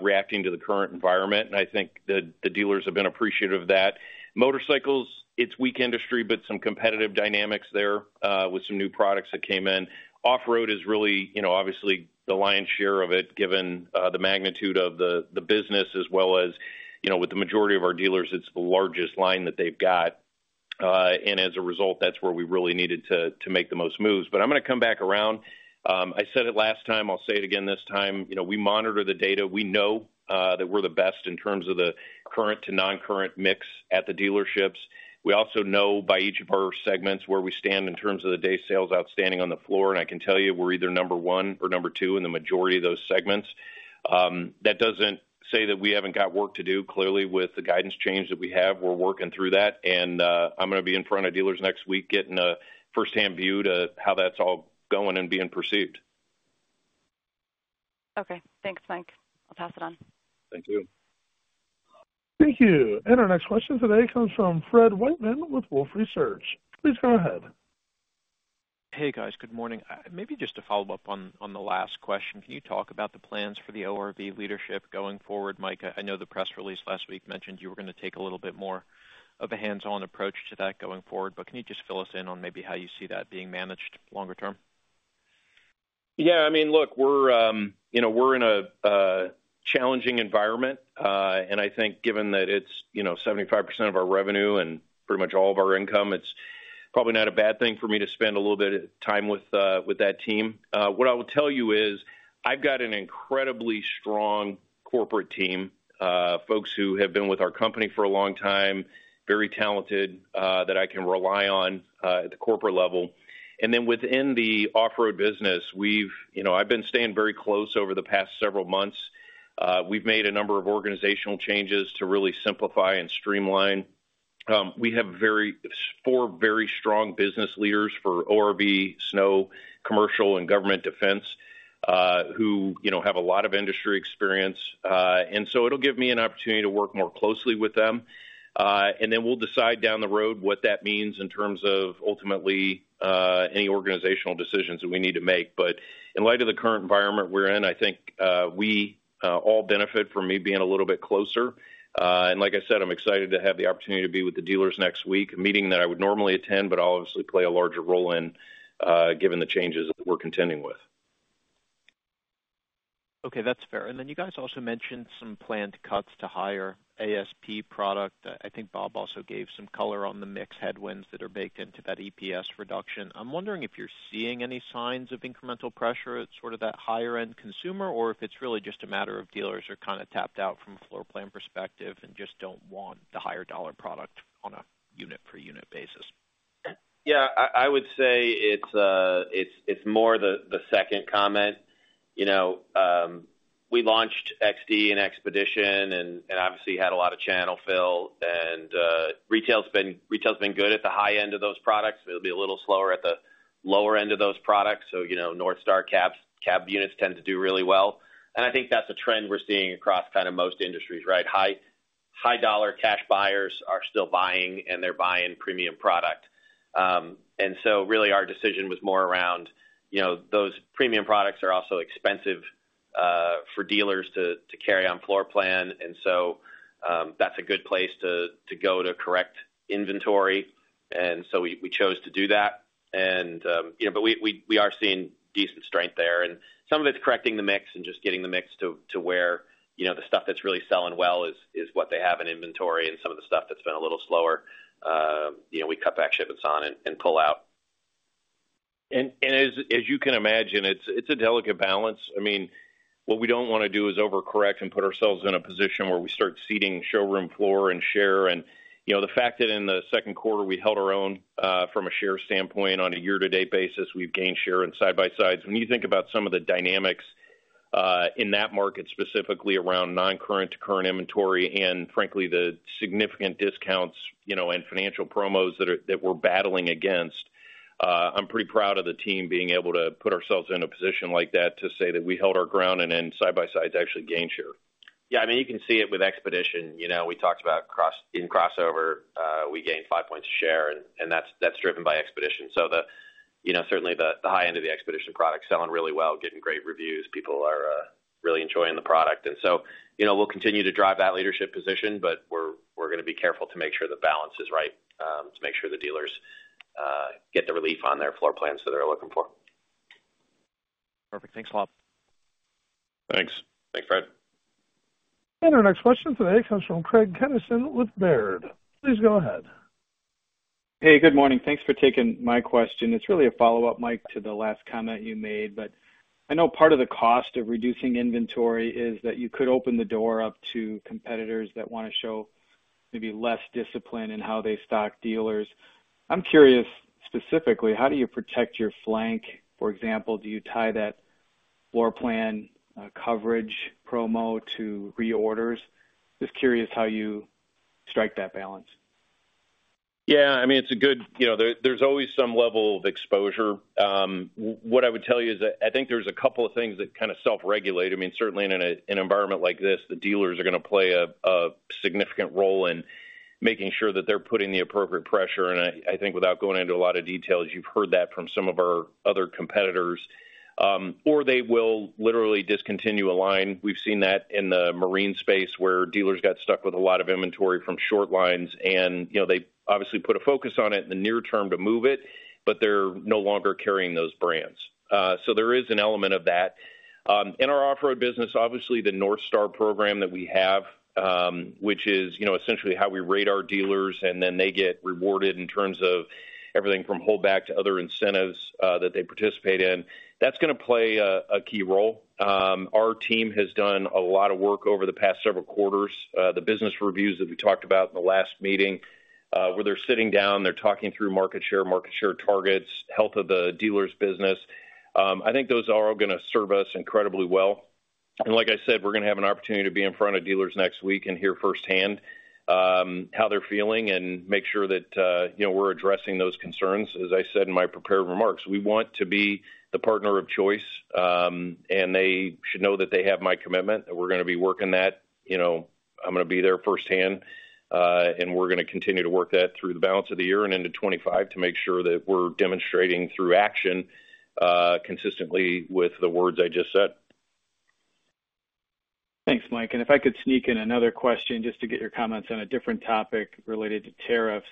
reacting to the current environment, and I think the dealers have been appreciative of that. Motorcycles, it's weak industry, but some competitive dynamics there, with some new products that came in. Off-road is really, you know, obviously the lion's share of it, given the magnitude of the business as well as, you know, with the majority of our dealers, it's the largest line that they've got. And as a result, that's where we really needed to make the most moves. But I'm gonna come back around. I said it last time, I'll say it again this time, you know, we monitor the data. We know that we're the best in terms of the current to non-current mix at the dealerships. We also know by each of our segments where we stand in terms of the days sales outstanding on the floor, and I can tell you, we're either number one or number two in the majority of those segments. That doesn't say that we haven't got work to do. Clearly, with the guidance change that we have, we're working through that, and I'm gonna be in front of dealers next week, getting a firsthand view to how that's all going and being perceived. Okay. Thanks, Mike. I'll pass it on. Thank you. Thank you. And our next question today comes from Fred Wightman with Wolfe Research. Please go ahead. Hey, guys. Good morning. Maybe just to follow up on, on the last question, can you talk about the plans for the ORV leadership going forward? Mike, I, I know the press release last week mentioned you were gonna take a little bit more of a hands-on approach to that going forward, but can you just fill us in on maybe how you see that being managed longer term? Yeah, I mean, look, we're, you know, we're in a challenging environment. And I think given that it's, you know, 75% of our revenue and pretty much all of our income, it's probably not a bad thing for me to spend a little bit of time with, with that team. What I will tell you is, I've got an incredibly strong corporate team, folks who have been with our company for a long time, very talented, that I can rely on, at the corporate level. And then within the off-road business, we've... You know, I've been staying very close over the past several months. We've made a number of organizational changes to really simplify and streamline. We have four very strong business leaders for ORV, snow, commercial, and government defense, who, you know, have a lot of industry experience. And so it'll give me an opportunity to work more closely with them. And then we'll decide down the road what that means in terms of ultimately any organizational decisions that we need to make. But in light of the current environment we're in, I think we all benefit from me being a little bit closer. And like I said, I'm excited to have the opportunity to be with the dealers next week, a meeting that I would normally attend, but I'll obviously play a larger role in, given the changes that we're contending with. Okay, that's fair. And then you guys also mentioned some planned cuts to higher ASP product. I, I think Bob also gave some color on the mix headwinds that are baked into that EPS reduction. I'm wondering if you're seeing any signs of incremental pressure at sort of that higher end consumer, or if it's really just a matter of dealers are kind of tapped out from a floor plan perspective and just don't want the higher dollar product on a unit per unit basis? Yeah, I would say it's more the second comment. You know, we launched XD and Xpedition and obviously had a lot of channel fill, and retail's been good at the high end of those products. It'll be a little slower at the lower end of those products. So, you know, NorthStar cab units tend to do really well. And I think that's a trend we're seeing across kind of most industries, right? High dollar cash buyers are still buying, and they're buying premium product. And so really our decision was more around, you know, those premium products are also expensive for dealers to carry on floor plan, and so that's a good place to go to correct inventory. And so we chose to do that. you know, but we are seeing decent strength there, and some of it's correcting the mix and just getting the mix to where, you know, the stuff that's really selling well is what they have in inventory, and some of the stuff that's been a little slower, you know, we cut back shipments on and pull out. As you can imagine, it's a delicate balance. I mean, what we don't wanna do is overcorrect and put ourselves in a position where we start ceding showroom floor and share. You know, the fact that in the second quarter, we held our own from a share standpoint on a year-to-date basis, we've gained share in side-by-sides. When you think about some of the dynamics in that market, specifically around non-current to current inventory and frankly, the significant discounts, you know, and financial promos that we're battling against, I'm pretty proud of the team being able to put ourselves in a position like that, to say that we held our ground, and then side-by-sides actually gained share. Yeah, I mean, you can see it with Xpedition. You know, we talked about crossover in Crossover, we gained five points of share, and that's driven by Xpedition. So, you know, certainly the high end of the Xpedition product is selling really well, getting great reviews. People are really enjoying the product. And so, you know, we'll continue to drive that leadership position, but we're gonna be careful to make sure the balance is right, to make sure the dealers get the relief on their floor plans that they're looking for. Perfect. Thanks a lot. Thanks. Thanks, Fred. Our next question today comes from Craig Kennison with Baird. Please go ahead. Hey, good morning. Thanks for taking my question. It's really a follow-up, Mike, to the last comment you made, but I know part of the cost of reducing inventory is that you could open the door up to competitors that wanna show maybe less discipline in how they stock dealers. I'm curious, specifically, how do you protect your flank? For example, do you tie that floor plan, coverage promo to reorders? Just curious how you strike that balance. Yeah, I mean, it's a good—you know, there, there's always some level of exposure. What I would tell you is that I think there's a couple of things that kind of self-regulate. I mean, certainly in an environment like this, the dealers are gonna play a significant role in making sure that they're putting the appropriate pressure. And I think without going into a lot of details, you've heard that from some of our other competitors, or they will literally discontinue a line. We've seen that in the marine space, where dealers got stuck with a lot of inventory from short lines and, you know, they obviously put a focus on it in the near term to move it, but they're no longer carrying those brands. So there is an element of that. In our off-road business, obviously, the NorthStar program that we have, which is, you know, essentially how we rate our dealers, and then they get rewarded in terms of everything from holdback to other incentives, that they participate in. That's gonna play a key role. Our team has done a lot of work over the past several quarters. The business reviews that we talked about in the last meeting, where they're sitting down, they're talking through market share, market share targets, health of the dealers' business. I think those are all gonna serve us incredibly well. And like I said, we're gonna have an opportunity to be in front of dealers next week and hear firsthand how they're feeling and make sure that, you know, we're addressing those concerns. As I said in my prepared remarks, we want to be the partner of choice, and they should know that they have my commitment, that we're gonna be working that. You know, I'm gonna be there firsthand, and we're gonna continue to work that through the balance of the year and into 25 to make sure that we're demonstrating through action, consistently with the words I just said. Thanks, Mike. And if I could sneak in another question, just to get your comments on a different topic related to tariffs.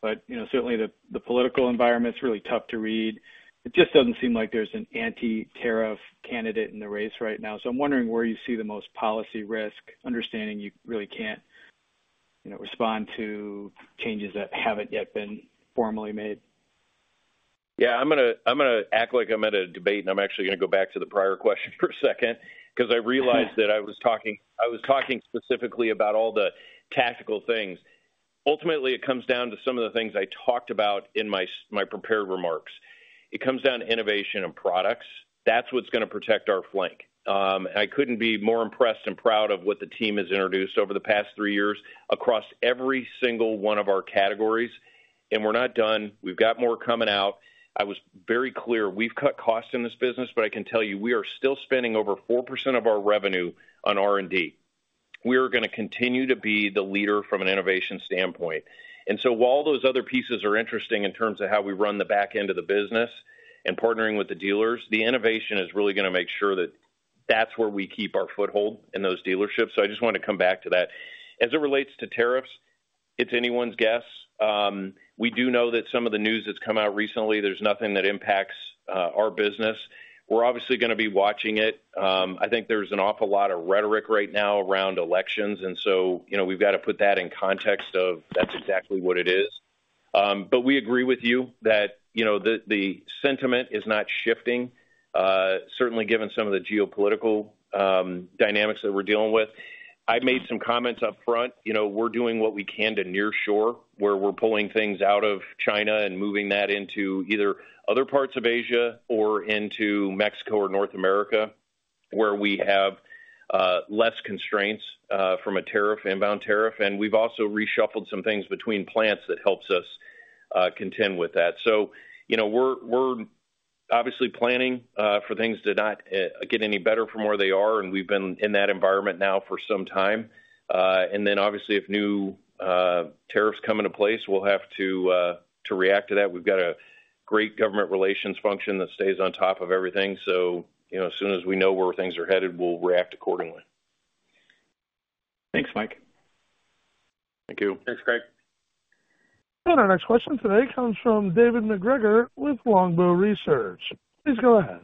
But, you know, certainly the political environment's really tough to read. It just doesn't seem like there's an anti-tariff candidate in the race right now. So I'm wondering where you see the most policy risk, understanding you really can't, you know, respond to changes that haven't yet been formally made. Yeah, I'm gonna act like I'm at a debate, and I'm actually gonna go back to the prior question for a second because I realized that I was talking specifically about all the tactical things. Ultimately, it comes down to some of the things I talked about in my prepared remarks. It comes down to innovation and products. That's what's gonna protect our flank. And I couldn't be more impressed and proud of what the team has introduced over the past three years across every single one of our categories, and we're not done. We've got more coming out. I was very clear, we've cut costs in this business, but I can tell you, we are still spending over 4% of our revenue on R&D. We are gonna continue to be the leader from an innovation standpoint. And so while those other pieces are interesting in terms of how we run the back end of the business and partnering with the dealers, the innovation is really gonna make sure that that's where we keep our foothold in those dealerships, so I just wanted to come back to that. As it relates to tariffs, it's anyone's guess. We do know that some of the news that's come out recently, there's nothing that impacts our business. We're obviously gonna be watching it. I think there's an awful lot of rhetoric right now around elections, and so, you know, we've got to put that in context of that's exactly what it is. But we agree with you that, you know, the sentiment is not shifting, certainly given some of the geopolitical dynamics that we're dealing with. I made some comments up front. You know, we're doing what we can to nearshore, where we're pulling things out of China and moving that into either other parts of Asia or into Mexico or North America, where we have less constraints from a tariff, inbound tariff. And we've also reshuffled some things between plants that helps us contend with that. So, you know, we're obviously planning for things to not get any better from where they are, and we've been in that environment now for some time. And then obviously, if new tariffs come into place, we'll have to react to that. We've got a great government relations function that stays on top of everything. So, you know, as soon as we know where things are headed, we'll react accordingly. Thanks, Mike. Thank you. Thanks, Craig. Our next question today comes from David MacGregor with Longbow Research. Please go ahead.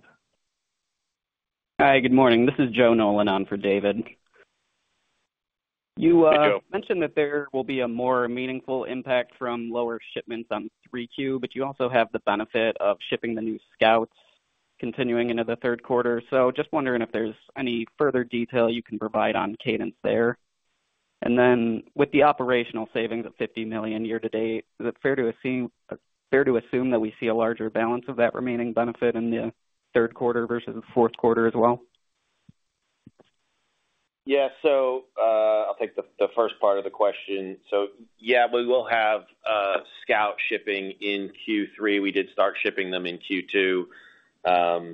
Hi, good morning. This is Joe Nolan on for David. Hey, Joe. You mentioned that there will be a more meaningful impact from lower shipments on 3Q, but you also have the benefit of shipping the new Scouts continuing into the third quarter. So just wondering if there's any further detail you can provide on cadence there. And then with the operational savings of $50 million year to date, is it fair to assume, fair to assume that we see a larger balance of that remaining benefit in the third quarter versus the fourth quarter as well? Yeah. So, I'll take the first part of the question. So yeah, we will have Scout shipping in Q3. We did start shipping them in Q2.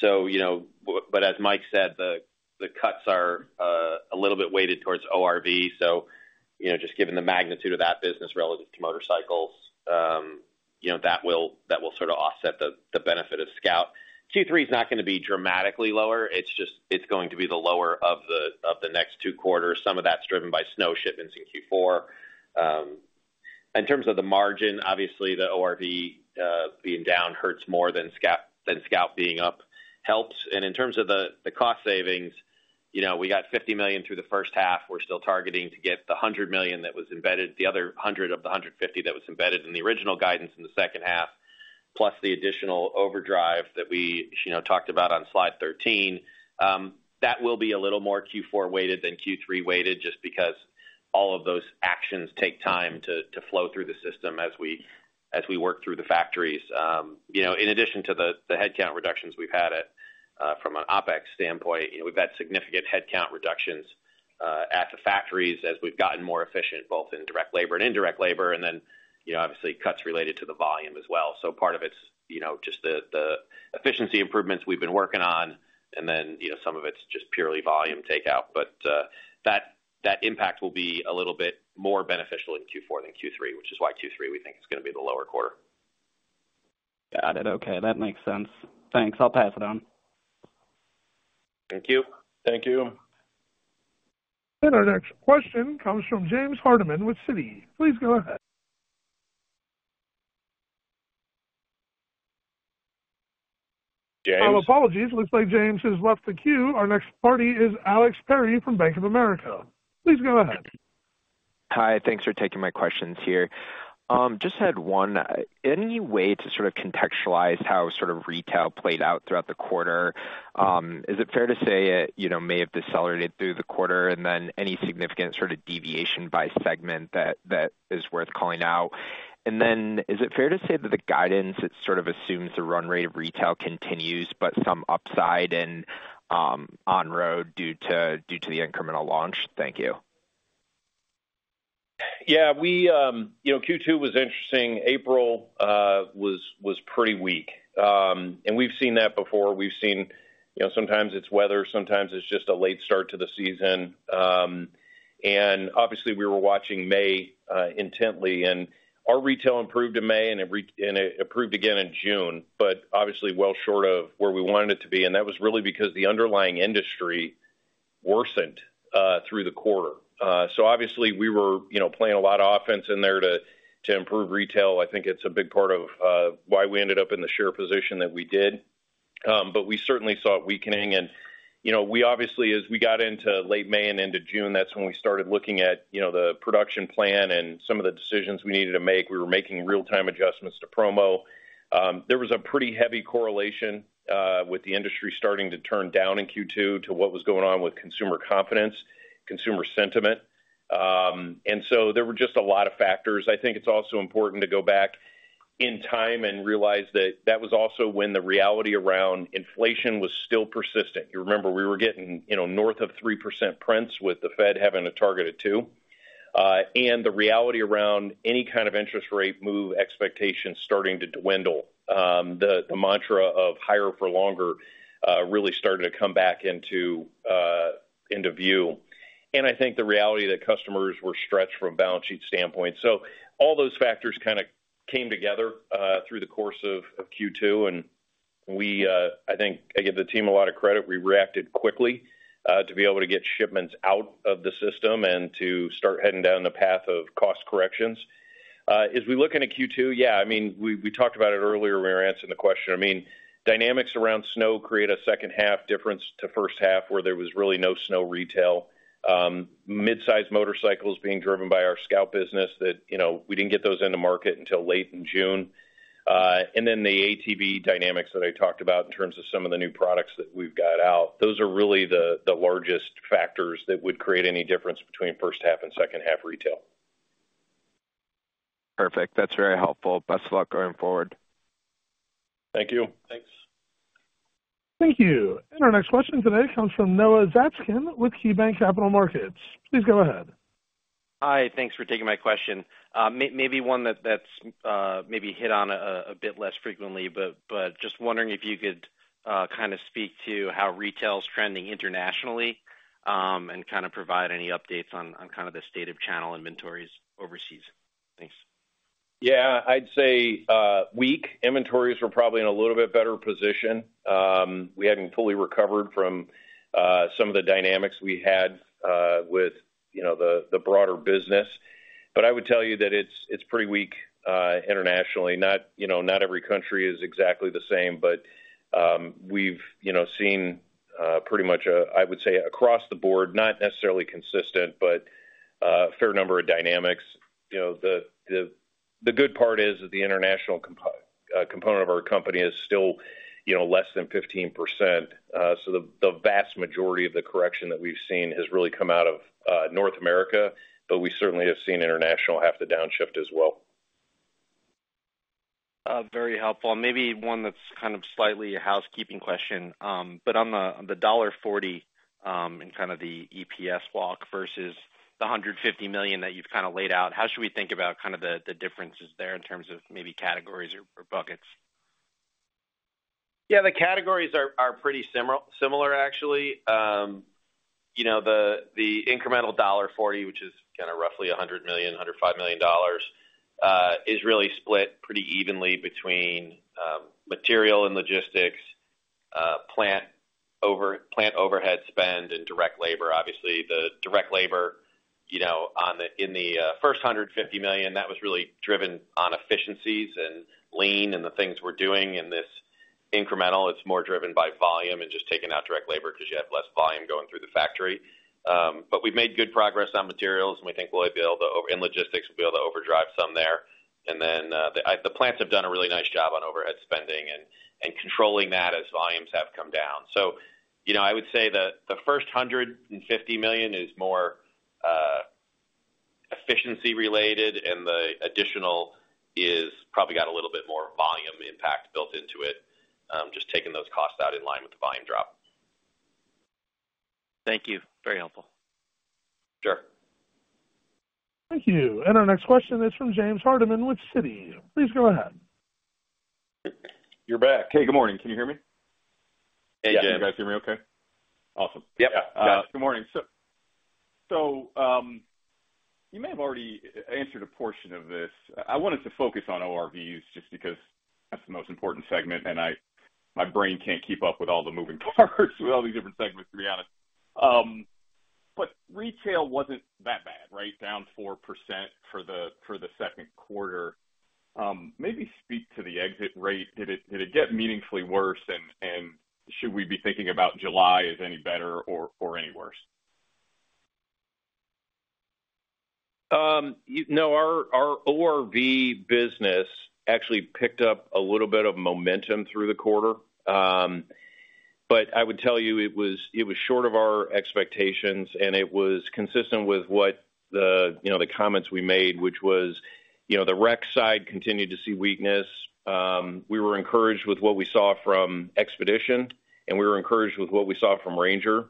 So you know, but as Mike said, the cuts are a little bit weighted towards ORV. So, you know, just given the magnitude of that business relative to motorcycles, you know, that will, that will sort of offset the benefit of Scout. Q3 is not gonna be dramatically lower. It's just it's going to be the lower of the next two quarters. Some of that's driven by snow shipments in Q4. In terms of the margin, obviously, the ORV being down hurts more than Scout being up helps. And in terms of the cost savings, you know, we got $50 million through the first half. We're still targeting to get the $100 million that was embedded, the other $100 of the $150 that was embedded in the original guidance in the second half, plus the additional overdrive that we, you know, talked about on slide 13. That will be a little more Q4 weighted than Q3 weighted, just because all of those actions take time to, to flow through the system as we, as we work through the factories. You know, in addition to the, the headcount reductions we've had at, from an OpEx standpoint, you know, we've had significant headcount reductions, at the factories as we've gotten more efficient, both in direct labor and indirect labor, and then, you know, obviously cuts related to the volume as well. Part of it's, you know, just the efficiency improvements we've been working on, and then, you know, some of it's just purely volume takeout, but that impact will be a little bit more beneficial in Q4 than Q3, which is why Q3 we think it's gonna be the lower quarter. Got it. Okay, that makes sense. Thanks. I'll pass it on. Thank you. Thank you. Our next question comes from James Hardiman with Citi. Please go ahead. James? My apologies. Looks like James has left the queue. Our next party is Alex Perry from Bank of America. Please go ahead. Hi. Thanks for taking my questions here. Just had one. Any way to sort of contextualize how sort of retail played out throughout the quarter? Is it fair to say it, you know, may have decelerated through the quarter? And then any significant sort of deviation by segment that is worth calling out? And then is it fair to say that the guidance, it sort of assumes the run rate of retail continues, but some upside and on road due to the incremental launch? Thank you. Yeah, we, you know, Q2 was interesting. April was pretty weak. And we've seen that before. We've seen, you know, sometimes it's weather, sometimes it's just a late start to the season. And obviously, we were watching May intently, and our retail improved in May, and it improved again in June, but obviously well short of where we wanted it to be, and that was really because the underlying industry worsened through the quarter. So obviously we were, you know, playing a lot of offense in there to improve retail. I think it's a big part of why we ended up in the share position that we did. But we certainly saw it weakening. You know, we obviously, as we got into late May and into June, that's when we started looking at, you know, the production plan and some of the decisions we needed to make. We were making real-time adjustments to promo. There was a pretty heavy correlation with the industry starting to turn down in Q2 to what was going on with consumer confidence, consumer sentiment. And so there were just a lot of factors. I think it's also important to go back in time and realize that that was also when the reality around inflation was still persistent. You remember, we were getting, you know, north of 3% prints with the Fed having a target of two. And the reality around any kind of interest rate move expectations starting to dwindle. The mantra of higher for longer really started to come back into view. And I think the reality that customers were stretched from a balance sheet standpoint. So all those factors kind of came together through the course of Q2, and we, I think, I give the team a lot of credit. We reacted quickly to be able to get shipments out of the system and to start heading down the path of cost corrections. As we look into Q2, yeah, I mean, we talked about it earlier when we were answering the question. I mean, dynamics around snow create a second half difference to first half, where there was really no snow retail. Mid-sized motorcycles being driven by our Scout business that, you know, we didn't get those into market until late in June. And then the ATV dynamics that I talked about in terms of some of the new products that we've got out, those are really the largest factors that would create any difference between first half and second half retail. Perfect. That's very helpful. Best of luck going forward. Thank you. Thanks. Thank you. Our next question today comes from Noah Zatzkin with KeyBanc Capital Markets. Please go ahead. Hi, thanks for taking my question. Maybe one that's maybe hit on a bit less frequently, but just wondering if you could kind of speak to how retail is trending internationally, and kind of provide any updates on kind of the state of channel inventories overseas. Thanks. Yeah, I'd say weak inventories were probably in a little bit better position. We haven't fully recovered from some of the dynamics we had with, you know, the broader business. But I would tell you that it's pretty weak internationally. Not, you know, not every country is exactly the same, but we've, you know, seen pretty much, I would say, across the board, not necessarily consistent, but a fair number of dynamics. You know, the good part is that the international component of our company is still, you know, less than 15%. So the vast majority of the correction that we've seen has really come out of North America, but we certainly have seen international have the downshift as well. Very helpful. Maybe one that's kind of slightly a housekeeping question. But on the $1.40 and kind of the EPS walk versus the $150 million that you've kind of laid out, how should we think about kind of the differences there in terms of maybe categories or buckets? Yeah, the categories are pretty similar, actually. You know, the incremental $1.40, which is kind of roughly $100 million-$105 million, is really split pretty evenly between material and logistics, plant overhead spend, and direct labor. Obviously, the direct labor, you know, in the first $150 million, that was really driven on efficiencies and lean and the things we're doing in this incremental. It's more driven by volume and just taking out direct labor because you have less volume going through the factory. But we've made good progress on materials, and we think we'll be able to in logistics, we'll be able to overdrive some there. And then, the plants have done a really nice job on overhead spending and controlling that as volumes have come down. So, you know, I would say that the first $150 million is more efficiency related, and the additional is probably got a little bit more volume impact built into it, just taking those costs out in line with the volume drop. Thank you. Very helpful. Sure. Thank you. Our next question is from James Hardiman with Citi. Please go ahead. You're back. Hey, good morning. Can you hear me? Hey, James. Yeah, you guys hear me okay? Awesome. Yep. Yeah. Good morning. So, you may have already answered a portion of this. I wanted to focus on ORVs just because that's the most important segment, and my brain can't keep up with all the moving parts, with all these different segments, to be honest. But retail wasn't that bad, right? Down 4% for the second quarter. Maybe speak to the exit rate. Did it get meaningfully worse? And should we be thinking about July as any better or any worse? No, our ORV business actually picked up a little bit of momentum through the quarter. But I would tell you, it was short of our expectations, and it was consistent with what the, you know, the comments we made, which was, you know, the rec side continued to see weakness. We were encouraged with what we saw from Xpedition, and we were encouraged with what we saw from Ranger.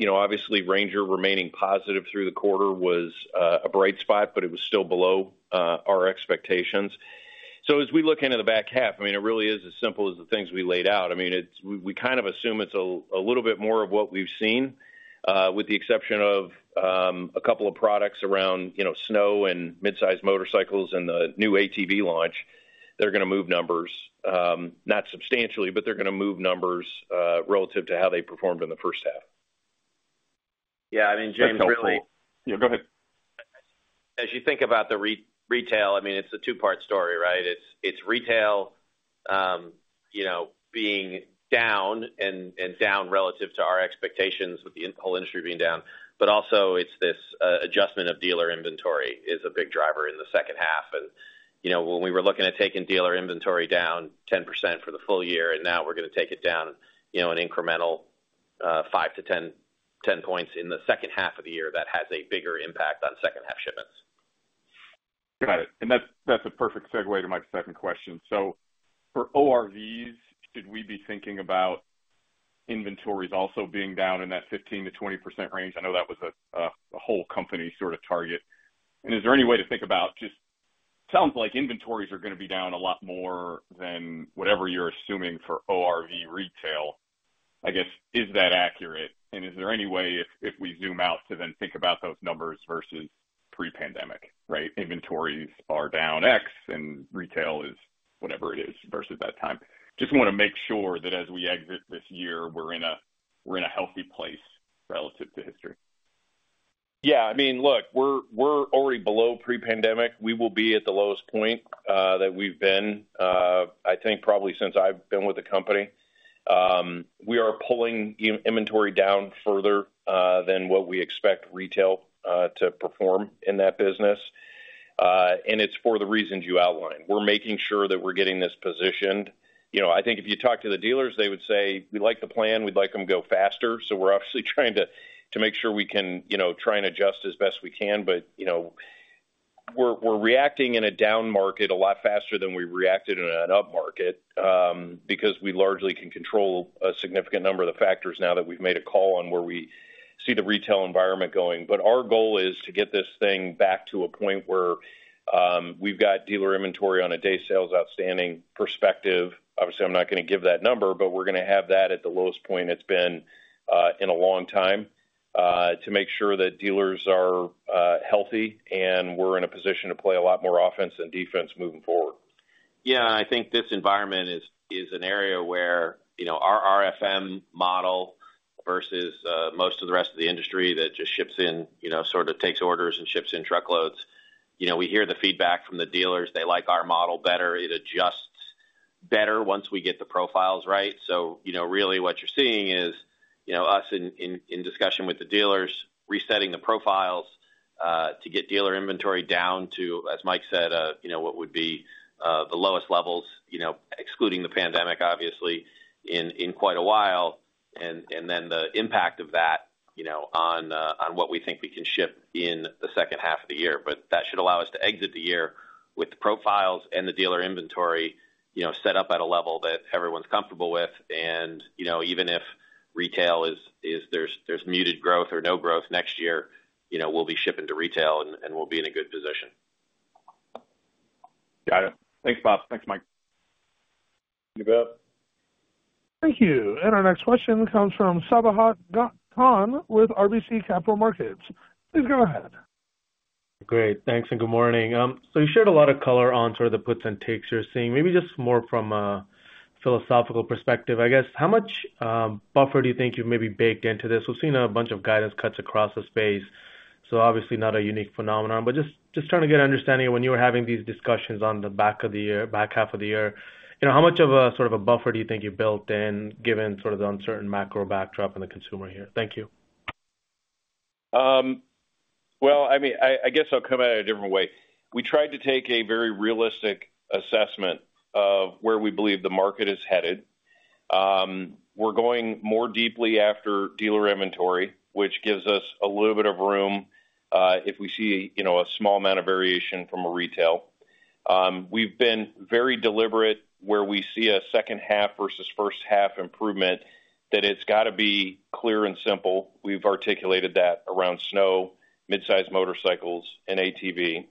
You know, obviously, Ranger remaining positive through the quarter was a bright spot, but it was still below our expectations. So as we look into the back half, I mean, it really is as simple as the things we laid out. I mean, we kind of assume it's a little bit more of what we've seen, with the exception of a couple of products around, you know, snow and mid-size motorcycles and the new ATV launch. They're gonna move numbers, not substantially, but they're gonna move numbers, relative to how they performed in the first half. Yeah, I mean, James, really- That's helpful. Yeah, go ahead. As you think about the retail, I mean, it's a two-part story, right? It's, it's retail, you know, being down and down relative to our expectations with the the whole industry being down. But also, it's this, adjustment of dealer inventory is a big driver in the second half. And, you know, when we were looking at taking dealer inventory down 10% for the full year, and now we're gonna take it down, you know, an incremental 5-10 points in the second half of the year, that has a bigger impact on second half shipments. Got it. That's a perfect segue to my second question. So for ORVs, should we be thinking about inventories also being down in that 15%-20% range? I know that was a whole company sort of target. And is there any way to think about just sounds like inventories are gonna be down a lot more than whatever you're assuming for ORV retail. I guess is that accurate, and is there any way if we zoom out, to then think about those numbers versus pre-pandemic, right? Inventories are down X, and retail is whatever it is versus that time. Just wanna make sure that as we exit this year, we're in a healthy place relative to history. Yeah, I mean, look, we're already below pre-pandemic. We will be at the lowest point that we've been, I think probably since I've been with the company. We are pulling inventory down further than what we expect retail to perform in that business. And it's for the reasons you outlined. We're making sure that we're getting this positioned. You know, I think if you talk to the dealers, they would say: We like the plan. We'd like them to go faster. So we're obviously trying to make sure we can, you know, try and adjust as best we can. But, you know, ...We're, we're reacting in a down market a lot faster than we reacted in an up market, because we largely can control a significant number of the factors now that we've made a call on where we see the retail environment going. But our goal is to get this thing back to a point where, we've got dealer inventory on a Days sales outstanding perspective. Obviously, I'm not gonna give that number, but we're gonna have that at the lowest point it's been, in a long time, to make sure that dealers are healthy and we're in a position to play a lot more offense than defense moving forward. Yeah, I think this environment is an area where, you know, our RFM model versus most of the rest of the industry that just ships in, you know, sort of takes orders and ships in truckloads. You know, we hear the feedback from the dealers. They like our model better. It adjusts better once we get the profiles right. So, you know, really what you're seeing is, you know, us in discussion with the dealers, resetting the profiles to get dealer inventory down to, as Mike said, you know, what would be the lowest levels, you know, excluding the pandemic, obviously, in quite a while. And then the impact of that, you know, on what we think we can ship in the second half of the year. But that should allow us to exit the year with the profiles and the dealer inventory, you know, set up at a level that everyone's comfortable with. You know, even if retail, there's muted growth or no growth next year, you know, we'll be shipping to retail and we'll be in a good position. Got it. Thanks, Bob. Thanks, Mike. Thank you. And our next question comes from Sabahat Khan with RBC Capital Markets. Please go ahead. Great, thanks, and good morning. So you shared a lot of color on sort of the puts and takes you're seeing. Maybe just more from a philosophical perspective, I guess. How much buffer do you think you've maybe baked into this? We've seen a bunch of guidance cuts across the space, so obviously not a unique phenomenon, but just, just trying to get an understanding of when you were having these discussions on the back of the year back half of the year, you know, how much of a sort of a buffer do you think you built in, given sort of the uncertain macro backdrop in the consumer here? Thank you. Well, I mean, I guess I'll come at it a different way. We tried to take a very realistic assessment of where we believe the market is headed. We're going more deeply after dealer inventory, which gives us a little bit of room, if we see, you know, a small amount of variation from a retail. We've been very deliberate where we see a second half versus first half improvement, that it's got to be clear and simple. We've articulated that around snow, mid-size motorcycles and ATV.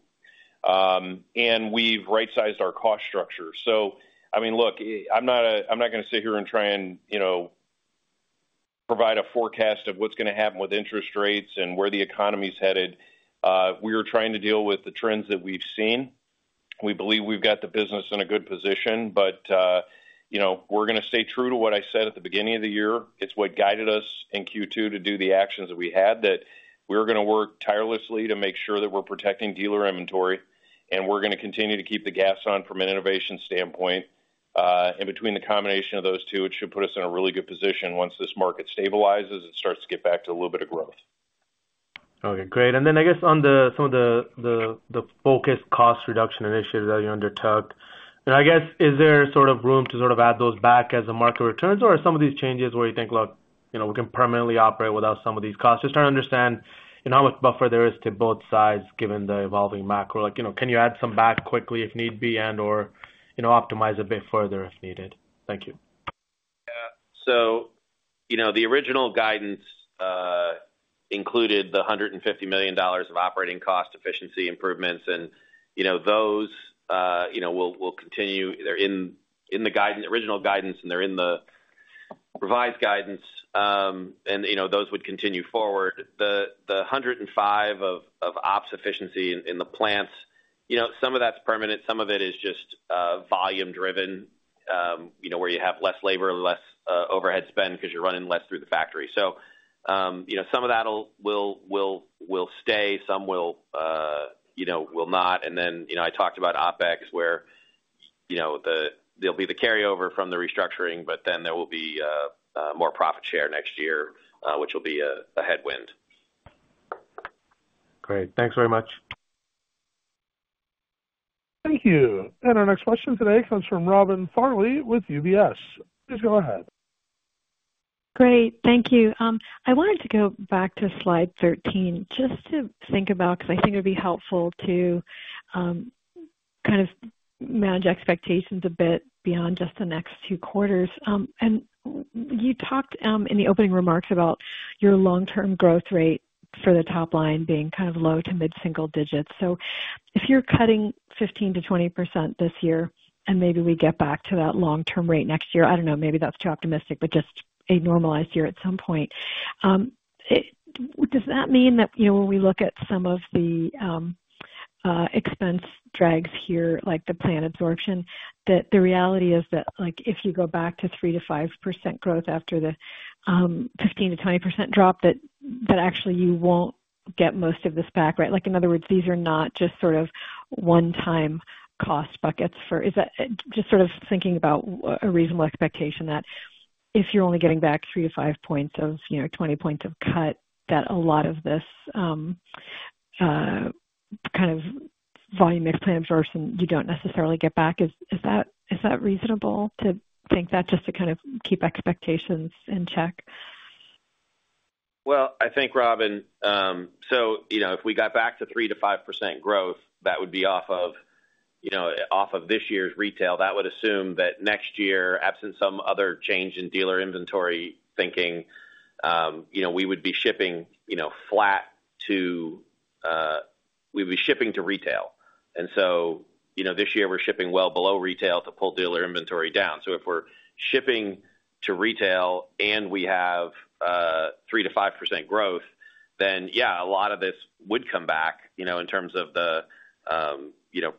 And we've right-sized our cost structure. So I mean, look, I'm not, I'm not gonna sit here and try and, you know, provide a forecast of what's gonna happen with interest rates and where the economy is headed. We are trying to deal with the trends that we've seen. We believe we've got the business in a good position, but, you know, we're gonna stay true to what I said at the beginning of the year. It's what guided us in Q2 to do the actions that we had, that we're gonna work tirelessly to make sure that we're protecting dealer inventory, and we're gonna continue to keep the gas on from an innovation standpoint. And between the combination of those two, it should put us in a really good position once this market stabilizes and starts to get back to a little bit of growth. Okay, great. And then I guess on some of the focused cost reduction initiatives that you undertook, and I guess, is there sort of room to sort of add those back as the market returns? Or are some of these changes where you think, look, you know, we can permanently operate without some of these costs? Just trying to understand, you know, how much buffer there is to both sides, given the evolving macro. Like, you know, can you add some back quickly if need be and/or, you know, optimize a bit further if needed? Thank you. Yeah. So you know, the original guidance included the $150 million of operating cost efficiency improvements. And, you know, those, you know, will continue. They're in the guidance, original guidance, and they're in the revised guidance. And, you know, those would continue forward. The 105 of ops efficiency in the plants, you know, some of that's permanent, some of it is just volume driven, you know, where you have less labor, less overhead spend because you're running less through the factory. So, you know, some of that'll will stay, some will, you know, will not. And then, you know, I talked about OpEx, where, you know, there'll be the carryover from the restructuring, but then there will be more profit share next year, which will be a headwind. Great. Thanks very much. Thank you. And our next question today comes from Robin Farley with UBS. Please go ahead. Great, thank you. I wanted to go back to slide 13, just to think about, because I think it'd be helpful to kind of manage expectations a bit beyond just the next two quarters. And you talked in the opening remarks about your long-term growth rate for the top line being kind of low- to mid-single digits. So if you're cutting 15%-20% this year, and maybe we get back to that long-term rate next year, I don't know, maybe that's too optimistic, but just a normalized year at some point. Does that mean that, you know, when we look at some of the, expense drags here, like the plant absorption, that the reality is that, like, if you go back to 3%-5% growth after the, 15%-20% drop, that, that actually you won't get most of this back, right? Like, in other words, these are not just sort of one-time cost buckets for... Is that, just sort of thinking about a reasonable expectation that if you're only getting back 3-5 points of, you know, 20 points of cut, that a lot of this, kind of volume mix plant absorption, you don't necessarily get back. Is that reasonable to think that, just to kind of keep expectations in check?... Well, I think, Robin, so, you know, if we got back to 3%-5% growth, that would be off of, you know, off of this year's retail. That would assume that next year, absent some other change in dealer inventory thinking, you know, we would be shipping, you know, flat to—we'd be shipping to retail. And so, you know, this year we're shipping well below retail to pull dealer inventory down. So if we're shipping to retail and we have 3%-5% growth, then yeah, a lot of this would come back, you know, in terms of the, you know,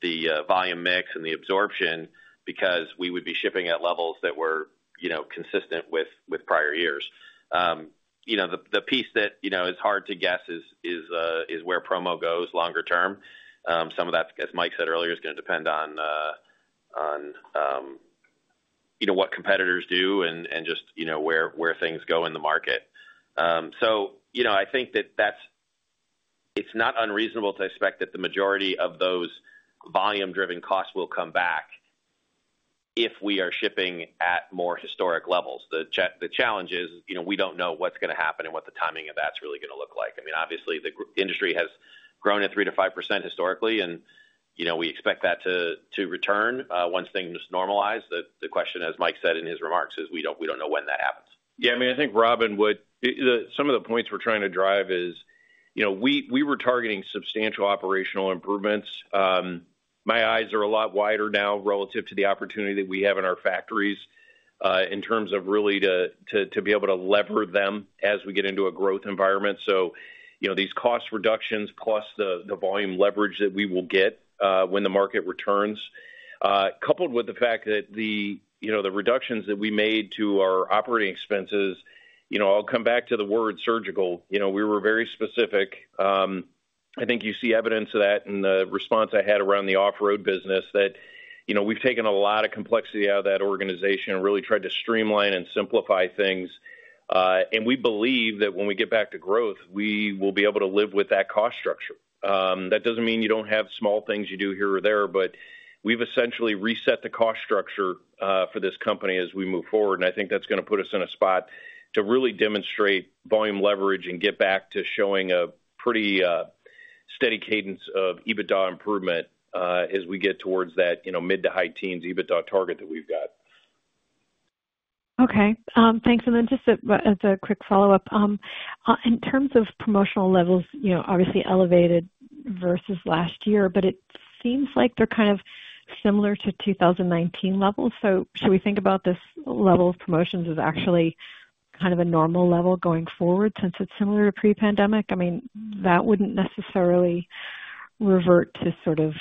the volume mix and the absorption, because we would be shipping at levels that were, you know, consistent with prior years. You know, the piece that, you know, is hard to guess is where promo goes longer term. Some of that, as Mike said earlier, is gonna depend on you know, what competitors do and just, you know, where things go in the market. So, you know, I think that it's not unreasonable to expect that the majority of those volume-driven costs will come back if we are shipping at more historic levels. The challenge is, you know, we don't know what's gonna happen and what the timing of that's really gonna look like. I mean, obviously, the industry has grown at 3%-5% historically, and, you know, we expect that to return once things normalize. The question, as Mike said in his remarks, is we don't know when that happens. Yeah, I mean, I think, Robin, what some of the points we're trying to drive is, you know, we were targeting substantial operational improvements. My eyes are a lot wider now relative to the opportunity that we have in our factories in terms of really to be able to lever them as we get into a growth environment. So, you know, these cost reductions plus the volume leverage that we will get when the market returns coupled with the fact that, you know, the reductions that we made to our operating expenses, you know, I'll come back to the word surgical. You know, we were very specific. I think you see evidence of that in the response I had around the off-road business, that, you know, we've taken a lot of complexity out of that organization and really tried to streamline and simplify things. And we believe that when we get back to growth, we will be able to live with that cost structure. That doesn't mean you don't have small things you do here or there, but we've essentially reset the cost structure for this company as we move forward, and I think that's gonna put us in a spot to really demonstrate volume leverage and get back to showing a pretty steady cadence of EBITDA improvement as we get towards that, you know, mid to high teens EBITDA target that we've got. Okay. Thanks. And then just a, as a quick follow-up. In terms of promotional levels, you know, obviously elevated versus last year, but it seems like they're kind of similar to 2019 levels. So should we think about this level of promotions as actually kind of a normal level going forward, since it's similar to pre-pandemic? I mean, that wouldn't necessarily revert to sort of,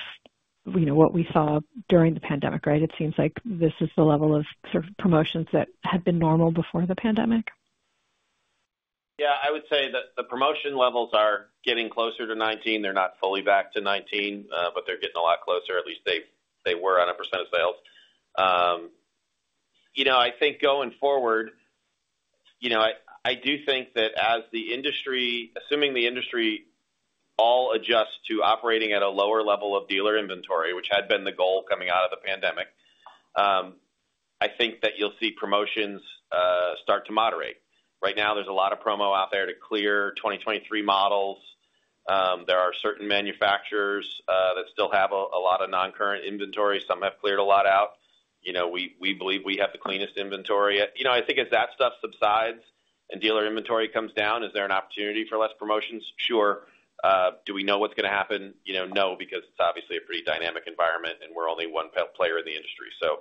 you know, what we saw during the pandemic, right? It seems like this is the level of sort of promotions that had been normal before the pandemic. Yeah, I would say that the promotion levels are getting closer to 19. They're not fully back to 19, but they're getting a lot closer. At least they were on a percent of sales. You know, I think going forward, you know, I do think that as the industry, assuming the industry all adjusts to operating at a lower level of dealer inventory, which had been the goal coming out of the pandemic, I think that you'll see promotions start to moderate. Right now, there's a lot of promo out there to clear 2023 models. There are certain manufacturers that still have a lot of non-current inventory. Some have cleared a lot out. You know, we believe we have the cleanest inventory. You know, I think as that stuff subsides and dealer inventory comes down, is there an opportunity for less promotions? Sure. Do we know what's gonna happen? You know, no, because it's obviously a pretty dynamic environment, and we're only one player in the industry. So,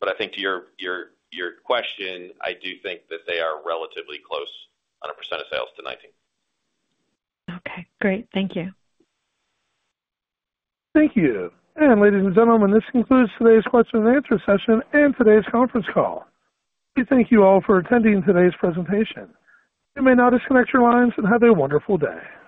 but I think to your question, I do think that they are relatively close on a percent of sales to '19. Okay, great. Thank you. Thank you. Ladies and gentlemen, this concludes today's question and answer session and today's conference call. We thank you all for attending today's presentation. You may now disconnect your lines and have a wonderful day.